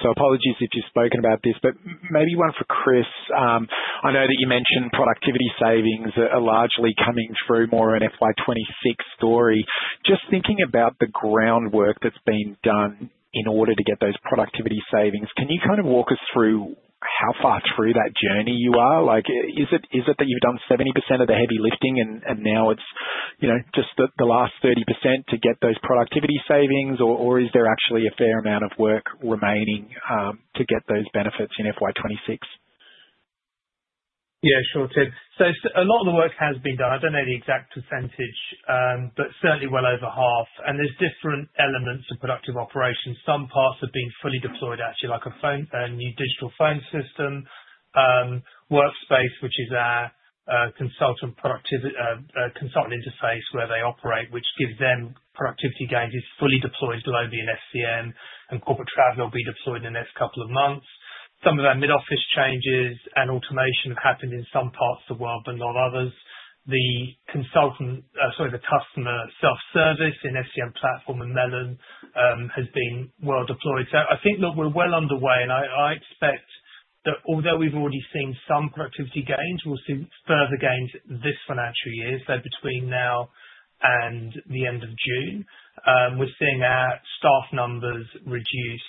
So apologies if you've spoken about this. But maybe one for Chris. I know that you mentioned productivity savings are largely coming through more of an FY 2026 story. Just thinking about the groundwork that's been done in order to get those productivity savings, can you kind of walk us through how far through that journey you are? Is it that you've done 70% of the heavy lifting and now it's just the last 30% to get those productivity savings, or is there actually a fair amount of work remaining to get those benefits in FY 2026? Yeah, sure, Tim. So a lot of the work has been done. I don't know the exact percentage, but certainly well over half. There are different elements of Productive Operations. Some parts have been fully deployed, actually, like a new digital phone system, Workspace, which is our consultant interface where they operate, which gives them productivity gains. It's fully deployed globally in FCM, and Corporate Traveller will be deployed in the next couple of months. Some of our mid-office changes and automation have happened in some parts of the world, but not others. The consultant, sorry, the customer self-service in FCM Platform and Melon has been well deployed. So I think, look, we're well underway. And I expect that although we've already seen some productivity gains, we'll see further gains this financial year. So between now and the end of June, we're seeing our staff numbers reduce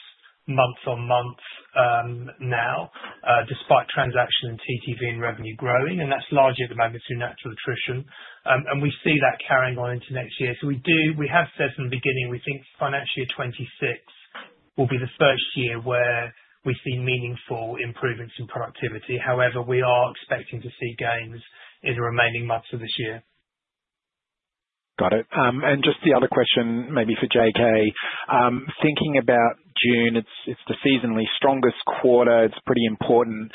month on month now, despite transaction and TTV and revenue growing. And that's largely at the moment through natural attrition. And we see that carrying on into next year. So we have said from the beginning, we think financial year 2026 will be the first year where we see meaningful improvements in productivity. However, we are expecting to see gains in the remaining months of this year. Got it. And just the other question maybe for JK. Thinking about June, it's the seasonally strongest quarter. It's pretty important.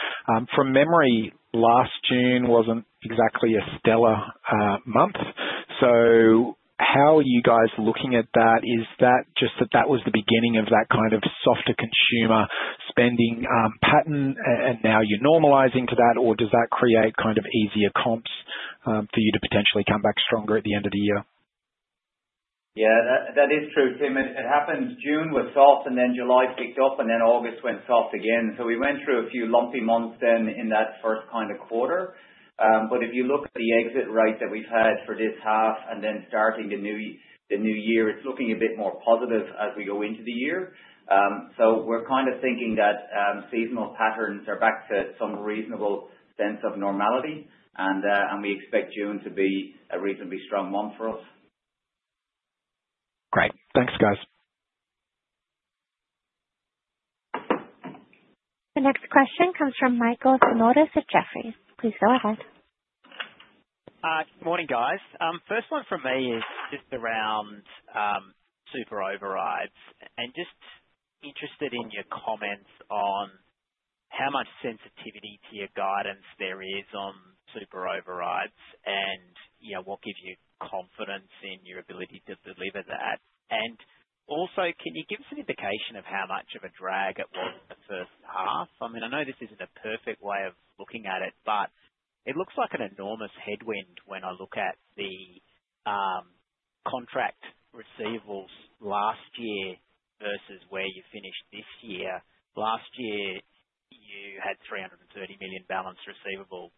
From memory, last June wasn't exactly a stellar month. So how are you guys looking at that? Is that just that was the beginning of that kind of softer consumer spending pattern, and now you're normalizing to that, or does that create kind of easier comps for you to potentially come back stronger at the end of the year? Yeah. That is true, Tim. It happened June was soft and then July picked up and then August went soft again. We went through a few lumpy months, then in that first kind of quarter. But if you look at the exit rate that we've had for this half and then starting the new year, it's looking a bit more positive as we go into the year. So we're kind of thinking that seasonal patterns are back to some reasonable sense of normality, and we expect June to be a reasonably strong month for us. Great. Thanks, guys. The next question comes from Michael Simotas at Jefferies. Please go ahead. Good morning, guys. First one from me is just around supplier overrides, and just interested in your comments on how much sensitivity to your guidance there is on supplier overrides and what gives you confidence in your ability to deliver that. Also, can you give us an indication of how much of a drag it was in the first half? I mean, I know this isn't a perfect way of looking at it, but it looks like an enormous headwind when I look at the contract receivables last year versus where you finished this year. Last year, you had 330 million receivables balance.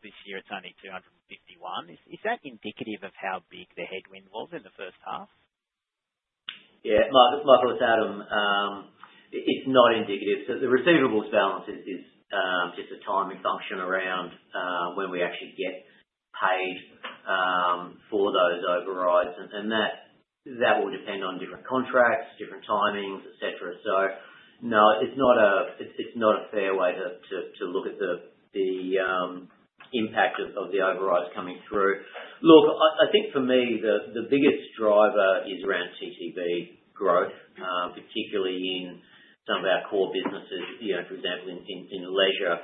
This year, it's only 251 million. Is that indicative of how big the headwind was in the first half? Yeah. Michael, it's Adam. It's not indicative. So the receivables balance is just a timing function around when we actually get paid for those overrides. And that will depend on different contracts, different timings, etc. So no, it's not a fair way to look at the impact of the overrides coming through. Look, I think for me, the biggest driver is around TTV growth, particularly in some of our core businesses. For example, in leisure,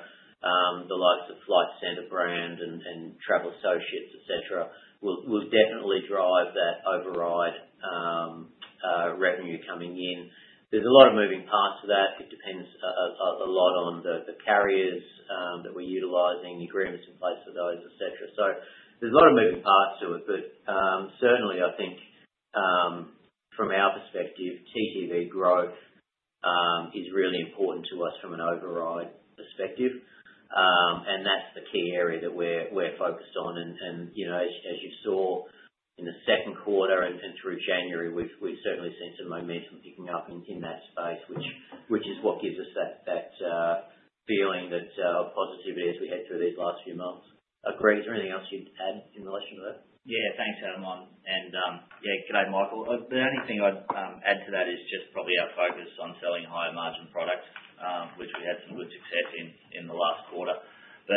the likes of Flight Centre Brand and Travel Associates, etc., will definitely drive that override revenue coming in. There's a lot of moving parts to that. It depends a lot on the carriers that we're utilizing, the agreements in place for those, etc. So there's a lot of moving parts to it. But certainly, I think from our perspective, TTV growth is really important to us from an override perspective. And that's the key area that we're focused on. And as you saw in the second quarter and through January, we've certainly seen some momentum picking up in that space, which is what gives us that feeling of positivity as we head through these last few months. Greg, is there anything else you'd add in relation to that? Yeah. Thanks, Adam. And yeah, G'day, Michael. The only thing I'd add to that is just probably our focus on selling higher margin products, which we had some good success in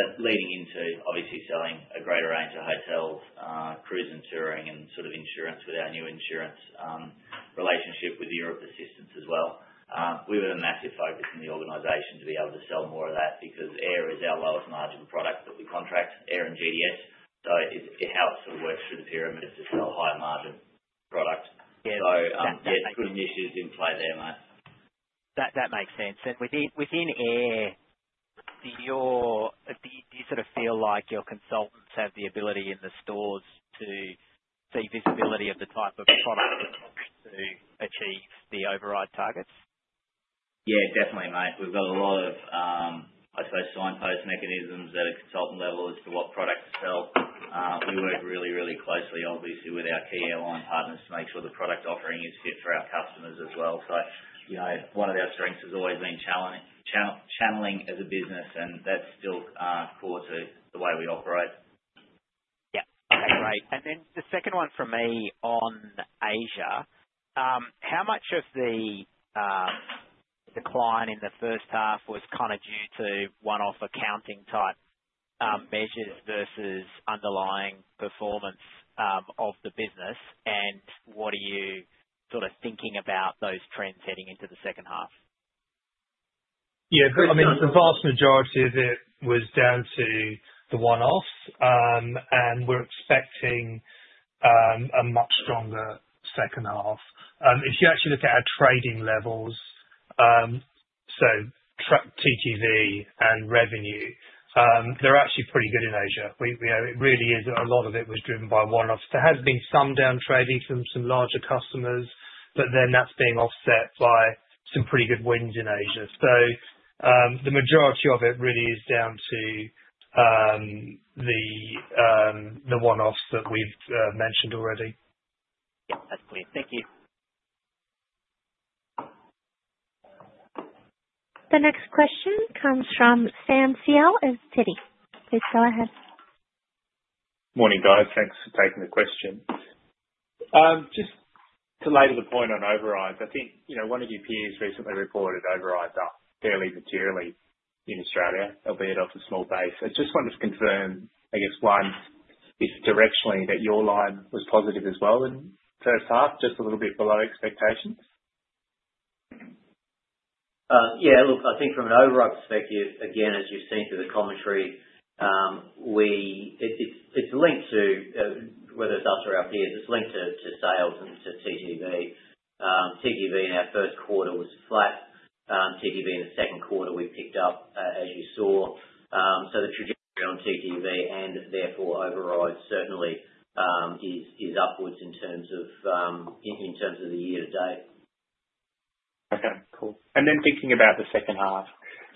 the last quarter. But leading into, obviously, selling a greater range of hotels, cruise and touring, and sort of insurance with our new insurance relationship with Europ Assistance as well. We have a massive focus in the organization to be able to sell more of that because air is our lowest margin product that we contract, air and GDS. So it helps to work through the pyramid to sell high margin products. So yeah, good initiatives in play there, mate. That makes sense. And within air, do you sort of feel like your consultants have the ability in the stores to see visibility of the type of product that helps to achieve the override targets? Yeah, definitely, mate. We've got a lot of, I suppose, signpost mechanisms at a consultant level as to what product to sell. We work really, really closely, obviously, with our key airline partners to make sure the product offering is fit for our customers as well. So one of our strengths has always been channeling as a business, and that's still core to the way we operate. Yep. Okay. Great. And then the second one for me on Asia, how much of the decline in the first half was kind of due to one-off accounting type measures versus underlying performance of the business? And what are you sort of thinking about those trends heading into the second half? Yeah. I mean, the vast majority of it was down to the one-offs, and we're expecting a much stronger second half. If you actually look at our trading levels, so TTV and revenue, they're actually pretty good in Asia. It really is that a lot of it was driven by one-offs. There has been some downtrading from some larger customers, but then that's being offset by some pretty good wins in Asia. So the majority of it really is down to the one-offs that we've mentioned already. Yep. That's clear. Thank you. The next question comes from Sam Seow at Citi. Please go ahead. Morning, guys. Thanks for taking the question. Just to make the point on overrides, I think one of your peers recently reported overrides are fairly material in Australia, albeit off a small base. I just wanted to confirm, I guess, one, if directionally, that your line was positive as well in the first half, just a little bit below expectations? Yeah. Look, I think from an override perspective, again, as you've seen through the commentary, it's linked to whether it's us or our peers, it's linked to sales and to TTV. TTV in our first quarter was flat. TTV in the second quarter, we picked up, as you saw. So the trajectory on TTV and therefore overrides certainly is upwards in terms of the year to date. Okay. Cool. And then thinking about the second half,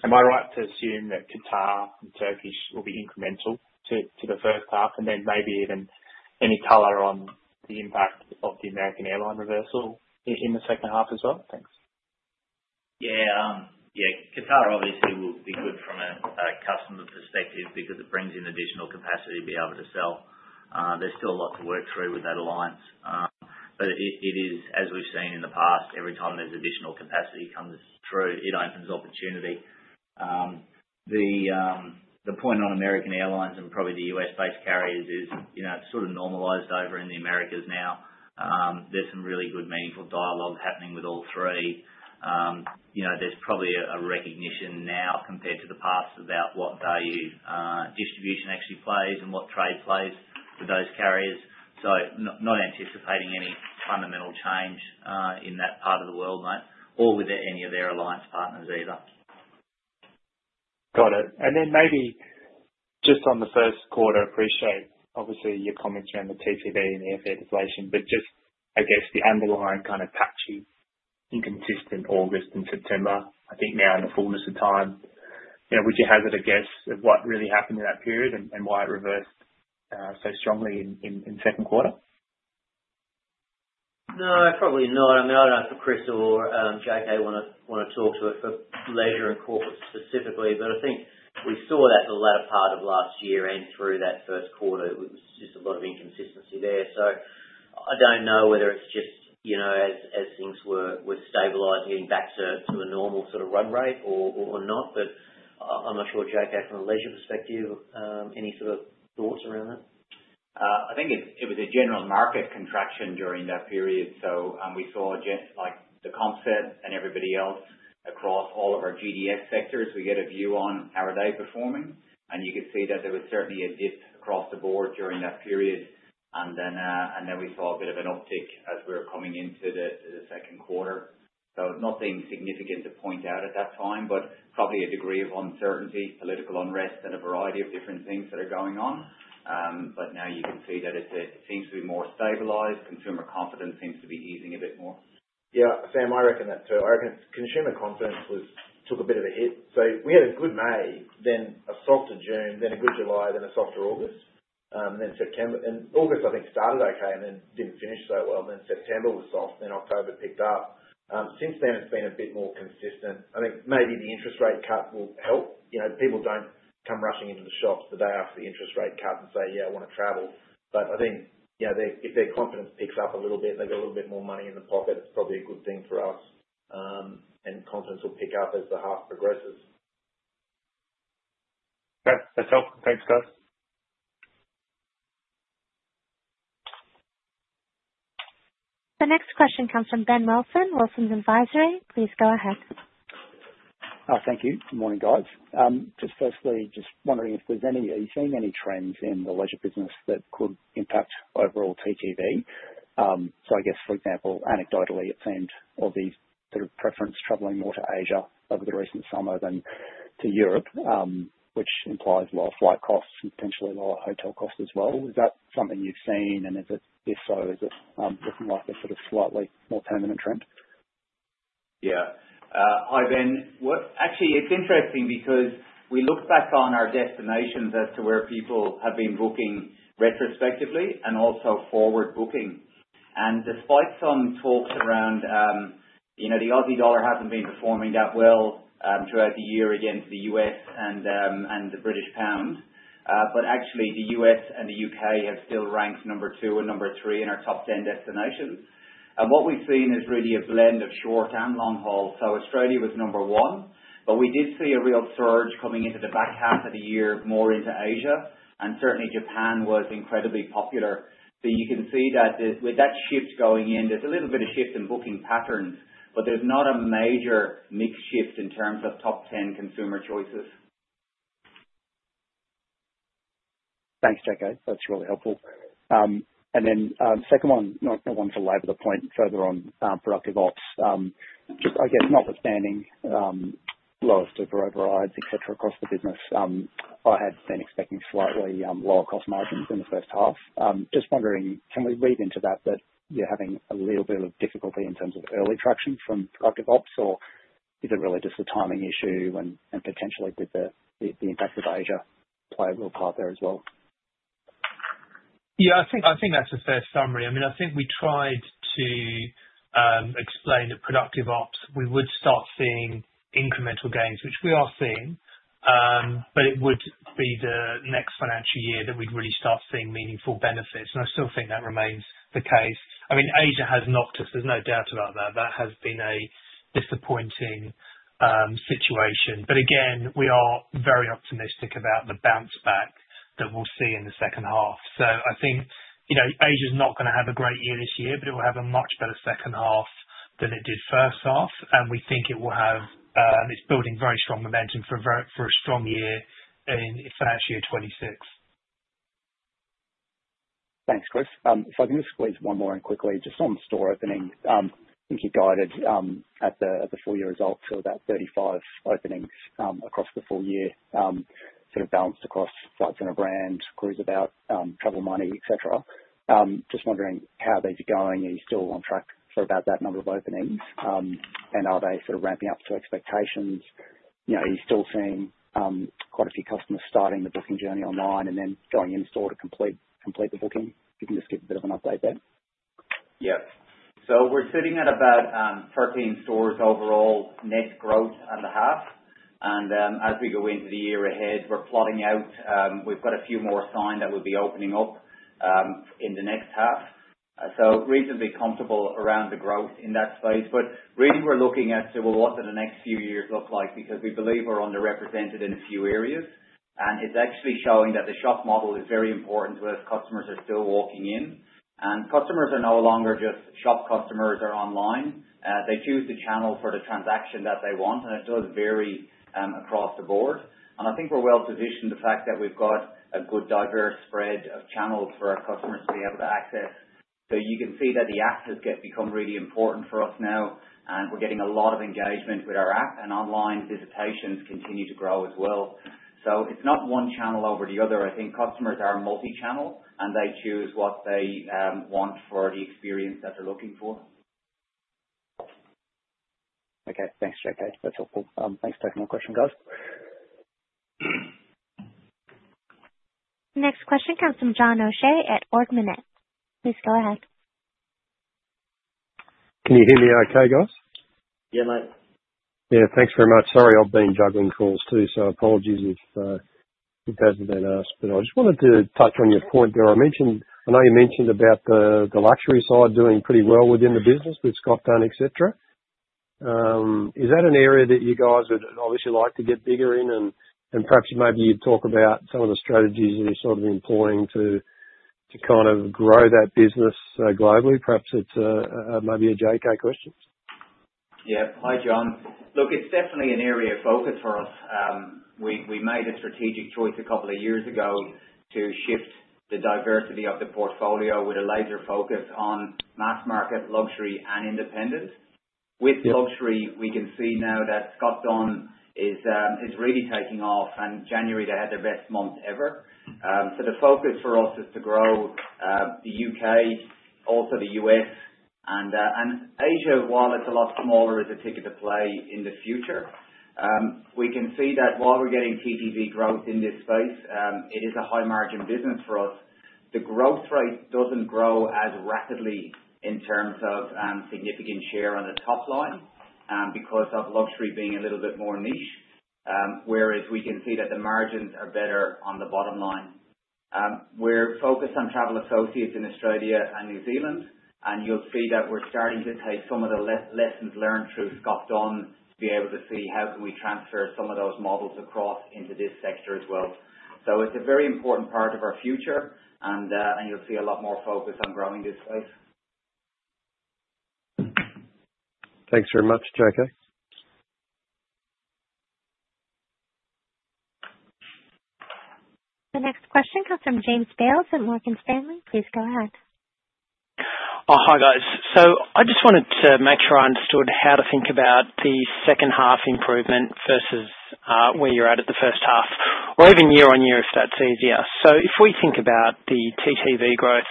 am I right to assume that Qatar and Turkish will be incremental to the first half and then maybe even any color on the impact of the American Airlines reversal in the second half as well? Thanks. Yeah. Yeah. Qatar obviously will be good from a customer perspective because it brings in additional capacity to be able to sell. There's still a lot to work through with that alliance. But it is, as we've seen in the past, every time there's additional capacity comes through, it opens opportunity. The point on American Airlines and probably the US-based carriers is it's sort of normalized over in the Americas now. There's some really good, meaningful dialogue happening with all three. There's probably a recognition now compared to the past about what value distribution actually plays and what trade plays with those carriers. So not anticipating any fundamental change in that part of the world, mate, or with any of their alliance partners either. Got it. And then maybe just on the first quarter, appreciate obviously your comments around the TTV and airfare deflation, but just, I guess, the underlying kind of patchy, inconsistent August and September, I think now in the fullness of time, would you hazard a guess of what really happened in that period and why it reversed so strongly in second quarter? No, probably not. I mean, I don't know if Chris or JK want to talk to it for leisure and corporate specifically, but I think we saw that the latter part of last year and through that first quarter, it was just a lot of inconsistency there. So I don't know whether it's just as things were stabilizing back to a normal sort of run rate or not, but I'm not sure. JK, from a leisure perspective, any sort of thoughts around that? I think it was a general market contraction during that period, so we saw the comp set and everybody else across all of our GDS sectors. We get a view on how are they performing, and you could see that there was certainly a dip across the board during that period, and then we saw a bit of an uptick as we were coming into the second quarter, so nothing significant to point out at that time, but probably a degree of uncertainty, political unrest, and a variety of different things that are going on, but now you can see that it seems to be more stabilized. Consumer confidence seems to be easing a bit more. Yeah. Sam, I reckon that too. I reckon consumer confidence took a bit of a hit. We had a good May, then a softer June, then a good July, then a softer August, then September. And August, I think, started okay and then didn't finish so well. Then September was soft, then October picked up. Since then, it's been a bit more consistent. I think maybe the interest rate cut will help. People don't come rushing into the shops the day after the interest rate cut and say, "Yeah, I want to travel." But I think if their confidence picks up a little bit and they've got a little bit more money in the pocket, it's probably a good thing for us. And confidence will pick up as the half progresses. Okay. That's helpful. Thanks, guys. The next question comes from Ben Wilson at Wilsons Advisory. Please go ahead. Thank you. Morning, guys. Just firstly, just wondering if there's any, are you seeing any trends in the leisure business that could impact overall TTV? So I guess, for example, anecdotally, it seemed all these sort of preference traveling more to Asia over the recent summer than to Europe, which implies lower flight costs and potentially lower hotel costs as well. Is that something you've seen? And if so, is it looking like a sort of slightly more permanent trend? Yeah. Hi Ben. Actually, it's interesting because we look back on our destinations as to where people have been booking retrospectively and also forward booking. And despite some talks around the Aussie dollar hasn't been performing that well throughout the year against the U.S. and the British pound, but actually the U.S. and the U.K. have still ranked number two and number three in our top 10 destinations. And what we've seen is really a blend of short and long haul. So Australia was number one, but we did see a real surge coming into the back half of the year more into Asia. And certainly, Japan was incredibly popular. So you can see that with that shift going in, there's a little bit of shift in booking patterns, but there's not a major mix shift in terms of top 10 consumer choices. Thanks, JK. That's really helpful. And then second one, not wanting to labor the point further on productive ops, just I guess notwithstanding lower supplier overrides, etc. across the business, I had been expecting slightly lower cost margins in the first half. Just wondering, can we weave into that that you're having a little bit of difficulty in terms of early traction from productive ops, or is it really just a timing issue and potentially with the impact of Asia play a real part there as well? Yeah. I think that's a fair summary. I mean, I think we tried to explain that productive ops, we would start seeing incremental gains, which we are seeing, but it would be the next financial year that we'd really start seeing meaningful benefits. And I still think that remains the case. I mean, Asia has knocked us. There's no doubt about that. That has been a disappointing situation. But again, we are very optimistic about the bounce back that we'll see in the second half. So I think Asia's not going to have a great year this year, but it will have a much better second half than it did first half. And we think it will have its building very strong momentum for a strong year in financial year 2026. Thanks, Chris. If I can just squeeze one more in quickly, just on store opening, I think you guided at the full year results for about 35 openings across the full year, sort of balanced across Flight Centre brand, Cruiseabout, Travel Money, etc. Just wondering how they'd be going. Are you still on track for about that number of openings, and are they sort of ramping up to expectations? Are you still seeing quite a few customers starting the booking journey online and then going in store to complete the booking? If you can just give a bit of an update there. Yep. So we're sitting at about 13 stores overall net growth on the half. And as we go into the year ahead, we're plotting out we've got a few more signed that will be opening up in the next half. So reasonably comfortable around the growth in that space. But really, we're looking at, well, what do the next few years look like because we believe we're underrepresented in a few areas. And it's actually showing that the shop model is very important to us. Customers are still walking in. And customers are no longer just shop customers or online. They choose the channel for the transaction that they want, and it does vary across the board. And I think we're well positioned, the fact that we've got a good diverse spread of channels for our customers to be able to access. So you can see that the apps have become really important for us now, and we're getting a lot of engagement with our app, and online visitations continue to grow as well. So it's not one channel over the other. I think customers are multi-channel, and they choose what they want for the experience that they're looking for. Okay. Thanks, JK. That's helpful. Thanks for taking my question, guys. Next question comes from John O'Shea at Ord Minnett. Please go ahead. Can you hear me okay, guys? Yeah, mate. Yeah. Thanks very much. Sorry, I've been juggling calls too, so apologies if that's a bit askew. But I just wanted to touch on your point there. I know you mentioned about the luxury side doing pretty well within the business with Scott Dunn, etc. Is that an area that you guys would obviously like to get bigger in? Perhaps maybe you'd talk about some of the strategies that you're sort of employing to kind of grow that business globally. Perhaps it's maybe a JK question. Yeah. Hi, John. Look, it's definitely an area of focus for us. We made a strategic choice a couple of years ago to shift the diversity of the portfolio with a laser focus on mass market, luxury, and independence. With luxury, we can see now that Scott Dunn is really taking off, and January they had their best month ever. So the focus for us is to grow the U.K., also the U.S. Asia, while it's a lot smaller, is a ticket to play in the future. We can see that while we're getting TTV growth in this space, it is a high-margin business for us. The growth rate doesn't grow as rapidly in terms of significant share on the top line because of luxury being a little bit more niche, whereas we can see that the margins are better on the bottom line. We're focused on Travel Associates in Australia and New Zealand, and you'll see that we're starting to take some of the lessons learned through Scott Dunn to be able to see how can we transfer some of those models across into this sector as well. So it's a very important part of our future, and you'll see a lot more focus on growing this space. Thanks very much, JK. The next question comes from James Bales at Morgan Stanley. Please go ahead. Hi, guys. So I just wanted to make sure I understood how to think about the second half improvement versus where you're at at the first half, or even year on year if that's easier. So if we think about the TTV growth,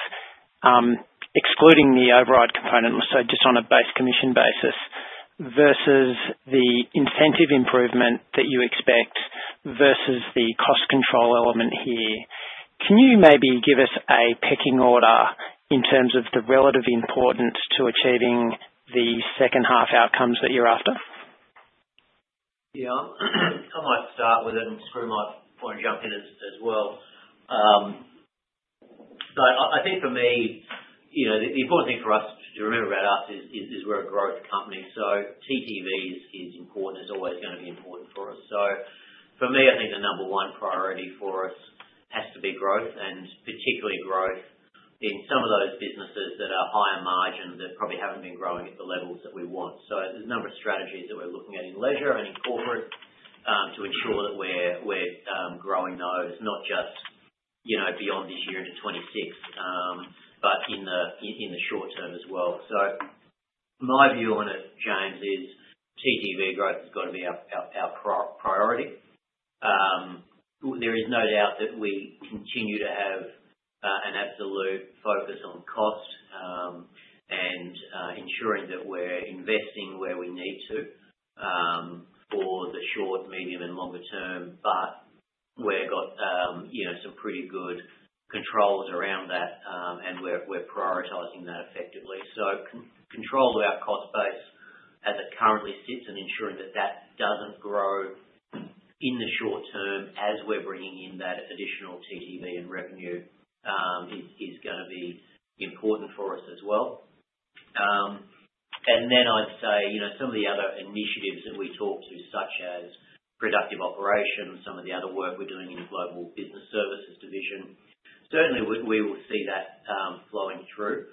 excluding the override component, so just on a base commission basis, versus the incentive improvement that you expect versus the cost control element here, can you maybe give us a pecking order in terms of the relative importance to achieving the second half outcomes that you're after? Yeah. I might start with it and Skroo might jump in as well. But I think for me, the important thing for us to remember about us is we're a growth company. So TTV is important. It's always going to be important for us. For me, I think the number one priority for us has to be growth, and particularly growth in some of those businesses that are higher margins that probably haven't been growing at the levels that we want. There's a number of strategies that we're looking at in leisure and in corporate to ensure that we're growing those, not just beyond this year into 2026, but in the short term as well. My view on it, James, is TTV growth has got to be our priority. There is no doubt that we continue to have an absolute focus on cost and ensuring that we're investing where we need to for the short, medium, and longer term, but we've got some pretty good controls around that, and we're prioritising that effectively. Control of our cost base as it currently sits and ensuring that that doesn't grow in the short term as we're bringing in that additional TTV and revenue is going to be important for us as well. And then I'd say some of the other initiatives that we talk to, such as Productive Operations, some of the other work we're doing in the Global Business Services Division, certainly we will see that flowing through.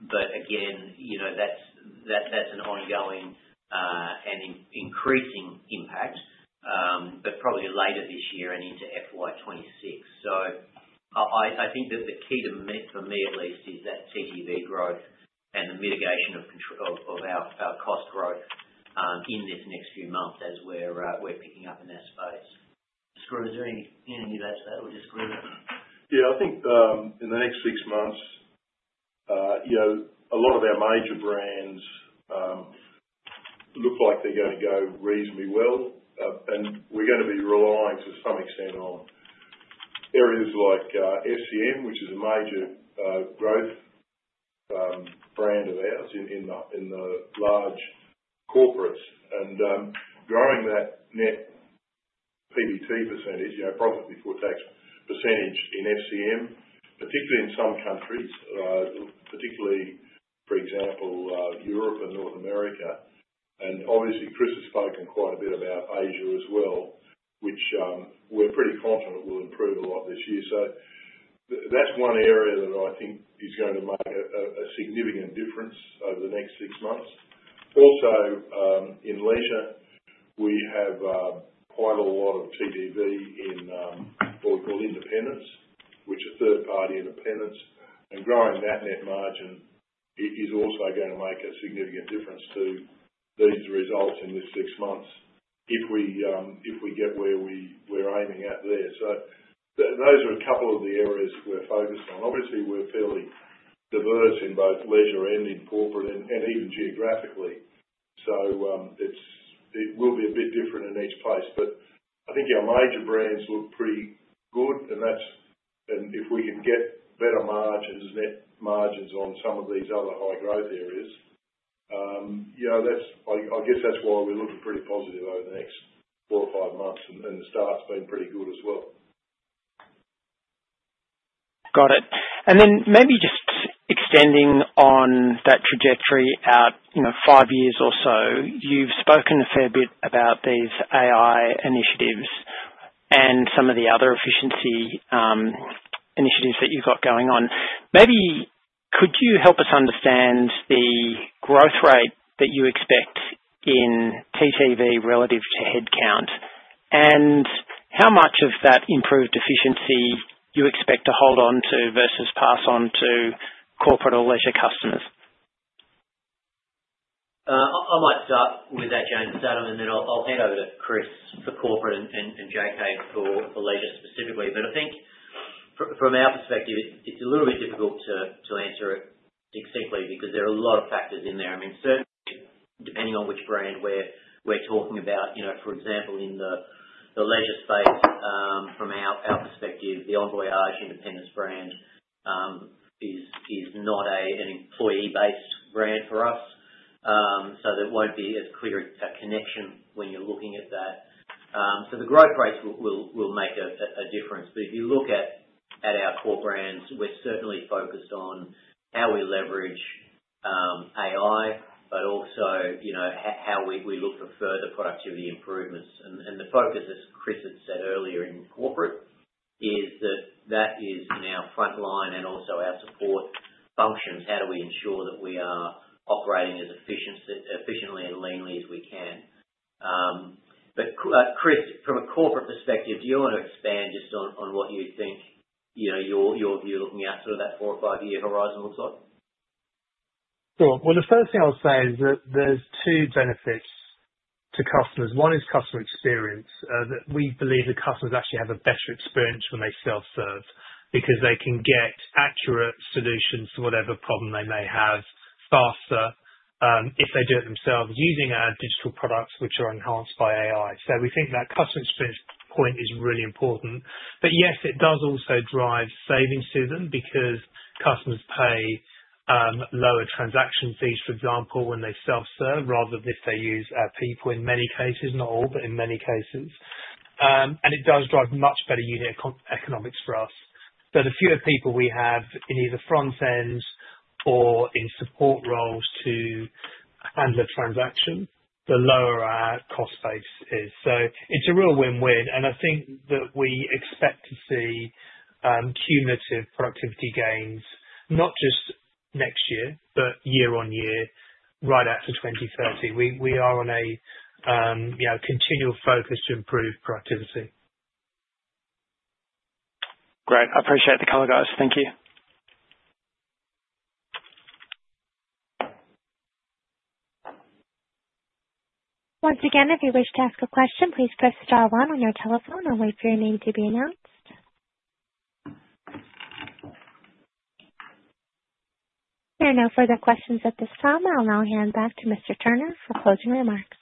But again, that's an ongoing and increasing impact, but probably later this year and into FY26. So I think that the key to me, for me at least, is that TTV growth and the mitigation of our cost growth in this next few months as we're picking up in that space. Skroo, any of that or just Skroo it? Yeah. I think in the next six months, a lot of our major brands look like they're going to go reasonably well, and we're going to be relying to some extent on areas like FCM, which is a major growth brand of ours in the large corporates, and growing that net PBT %, profit before tax % in FCM, particularly in some countries, particularly, for example, Europe and North America, and obviously, Chris has spoken quite a bit about Asia as well, which we're pretty confident will improve a lot this year, so that's one area that I think is going to make a significant difference over the next six months. Also, in leisure, we have quite a lot of TTV in what we call independents, which are third-party independents. And growing that net margin is also going to make a significant difference to these results in the six months if we get where we're aiming at there. So those are a couple of the areas we're focused on. Obviously, we're fairly diverse in both leisure and in corporate and even geographically. So it will be a bit different in each place. But I think our major brands look pretty good. And if we can get better margins, net margins on some of these other high-growth areas, I guess that's why we're looking pretty positive over the next four or five months, and the start's been pretty good as well. Got it. And then maybe just extending on that trajectory out five years or so, you've spoken a fair bit about these AI initiatives and some of the other efficiency initiatives that you've got going on. Maybe could you help us understand the growth rate that you expect in TTV relative to headcount, and how much of that improved efficiency you expect to hold on to versus pass on to corporate or leisure customers? I might start with that, James. And then I'll hand over to Chris for corporate and JK for leisure specifically. But I think from our perspective, it's a little bit difficult to answer it simply because there are a lot of factors in there. I mean, certainly, depending on which brand we're talking about, for example, in the leisure space, from our perspective, the Envoyage independent brand is not an employee-based brand for us. So there won't be as clear a connection when you're looking at that. So the growth rates will make a difference. But if you look at our core brands, we're certainly focused on how we leverage AI, but also how we look for further productivity improvements. And the focus, as Chris had said earlier in corporate, is that that is in our front line and also our support functions. How do we ensure that we are operating as efficiently and leanly as we can? But Chris, from a corporate perspective, do you want to expand just on what you think your view looking at sort of that four or five-year horizon looks like? Sure. Well, the first thing I'll say is that there's two benefits to customers. One is customer experience. We believe that customers actually have a better experience when they self-serve because they can get accurate solutions to whatever problem they may have faster if they do it themselves using our digital products, which are enhanced by AI. So we think that customer experience point is really important. But yes, it does also drive savings to them because customers pay lower transaction fees, for example, when they self-serve rather than if they use our people in many cases, not all, but in many cases. And it does drive much better unit economics for us. But the fewer people we have in either front end or in support roles to handle a transaction, the lower our cost base is. So it's a real win-win. And I think that we expect to see cumulative productivity gains, not just next year, but year on year, right after 2030. We are on a continual focus to improve productivity. Great. I appreciate the color, guys. Thank you. Once again, if you wish to ask a question, please press star one on your telephone and wait for your name to be announced. There are no further questions at this time. I'll now hand back to Mr. Turner for closing remarks.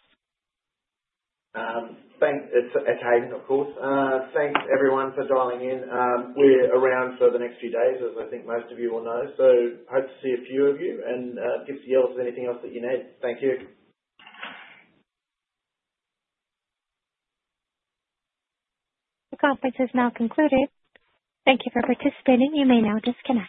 It's Haydn, of course. Thanks, everyone, for dialing in. We're around for the next few days, as I think most of you will know. So hope to see a few of you. And give us a yell if there's anything else that you need. Thank you. The conference is now concluded. Thank you for participating. You may now disconnect.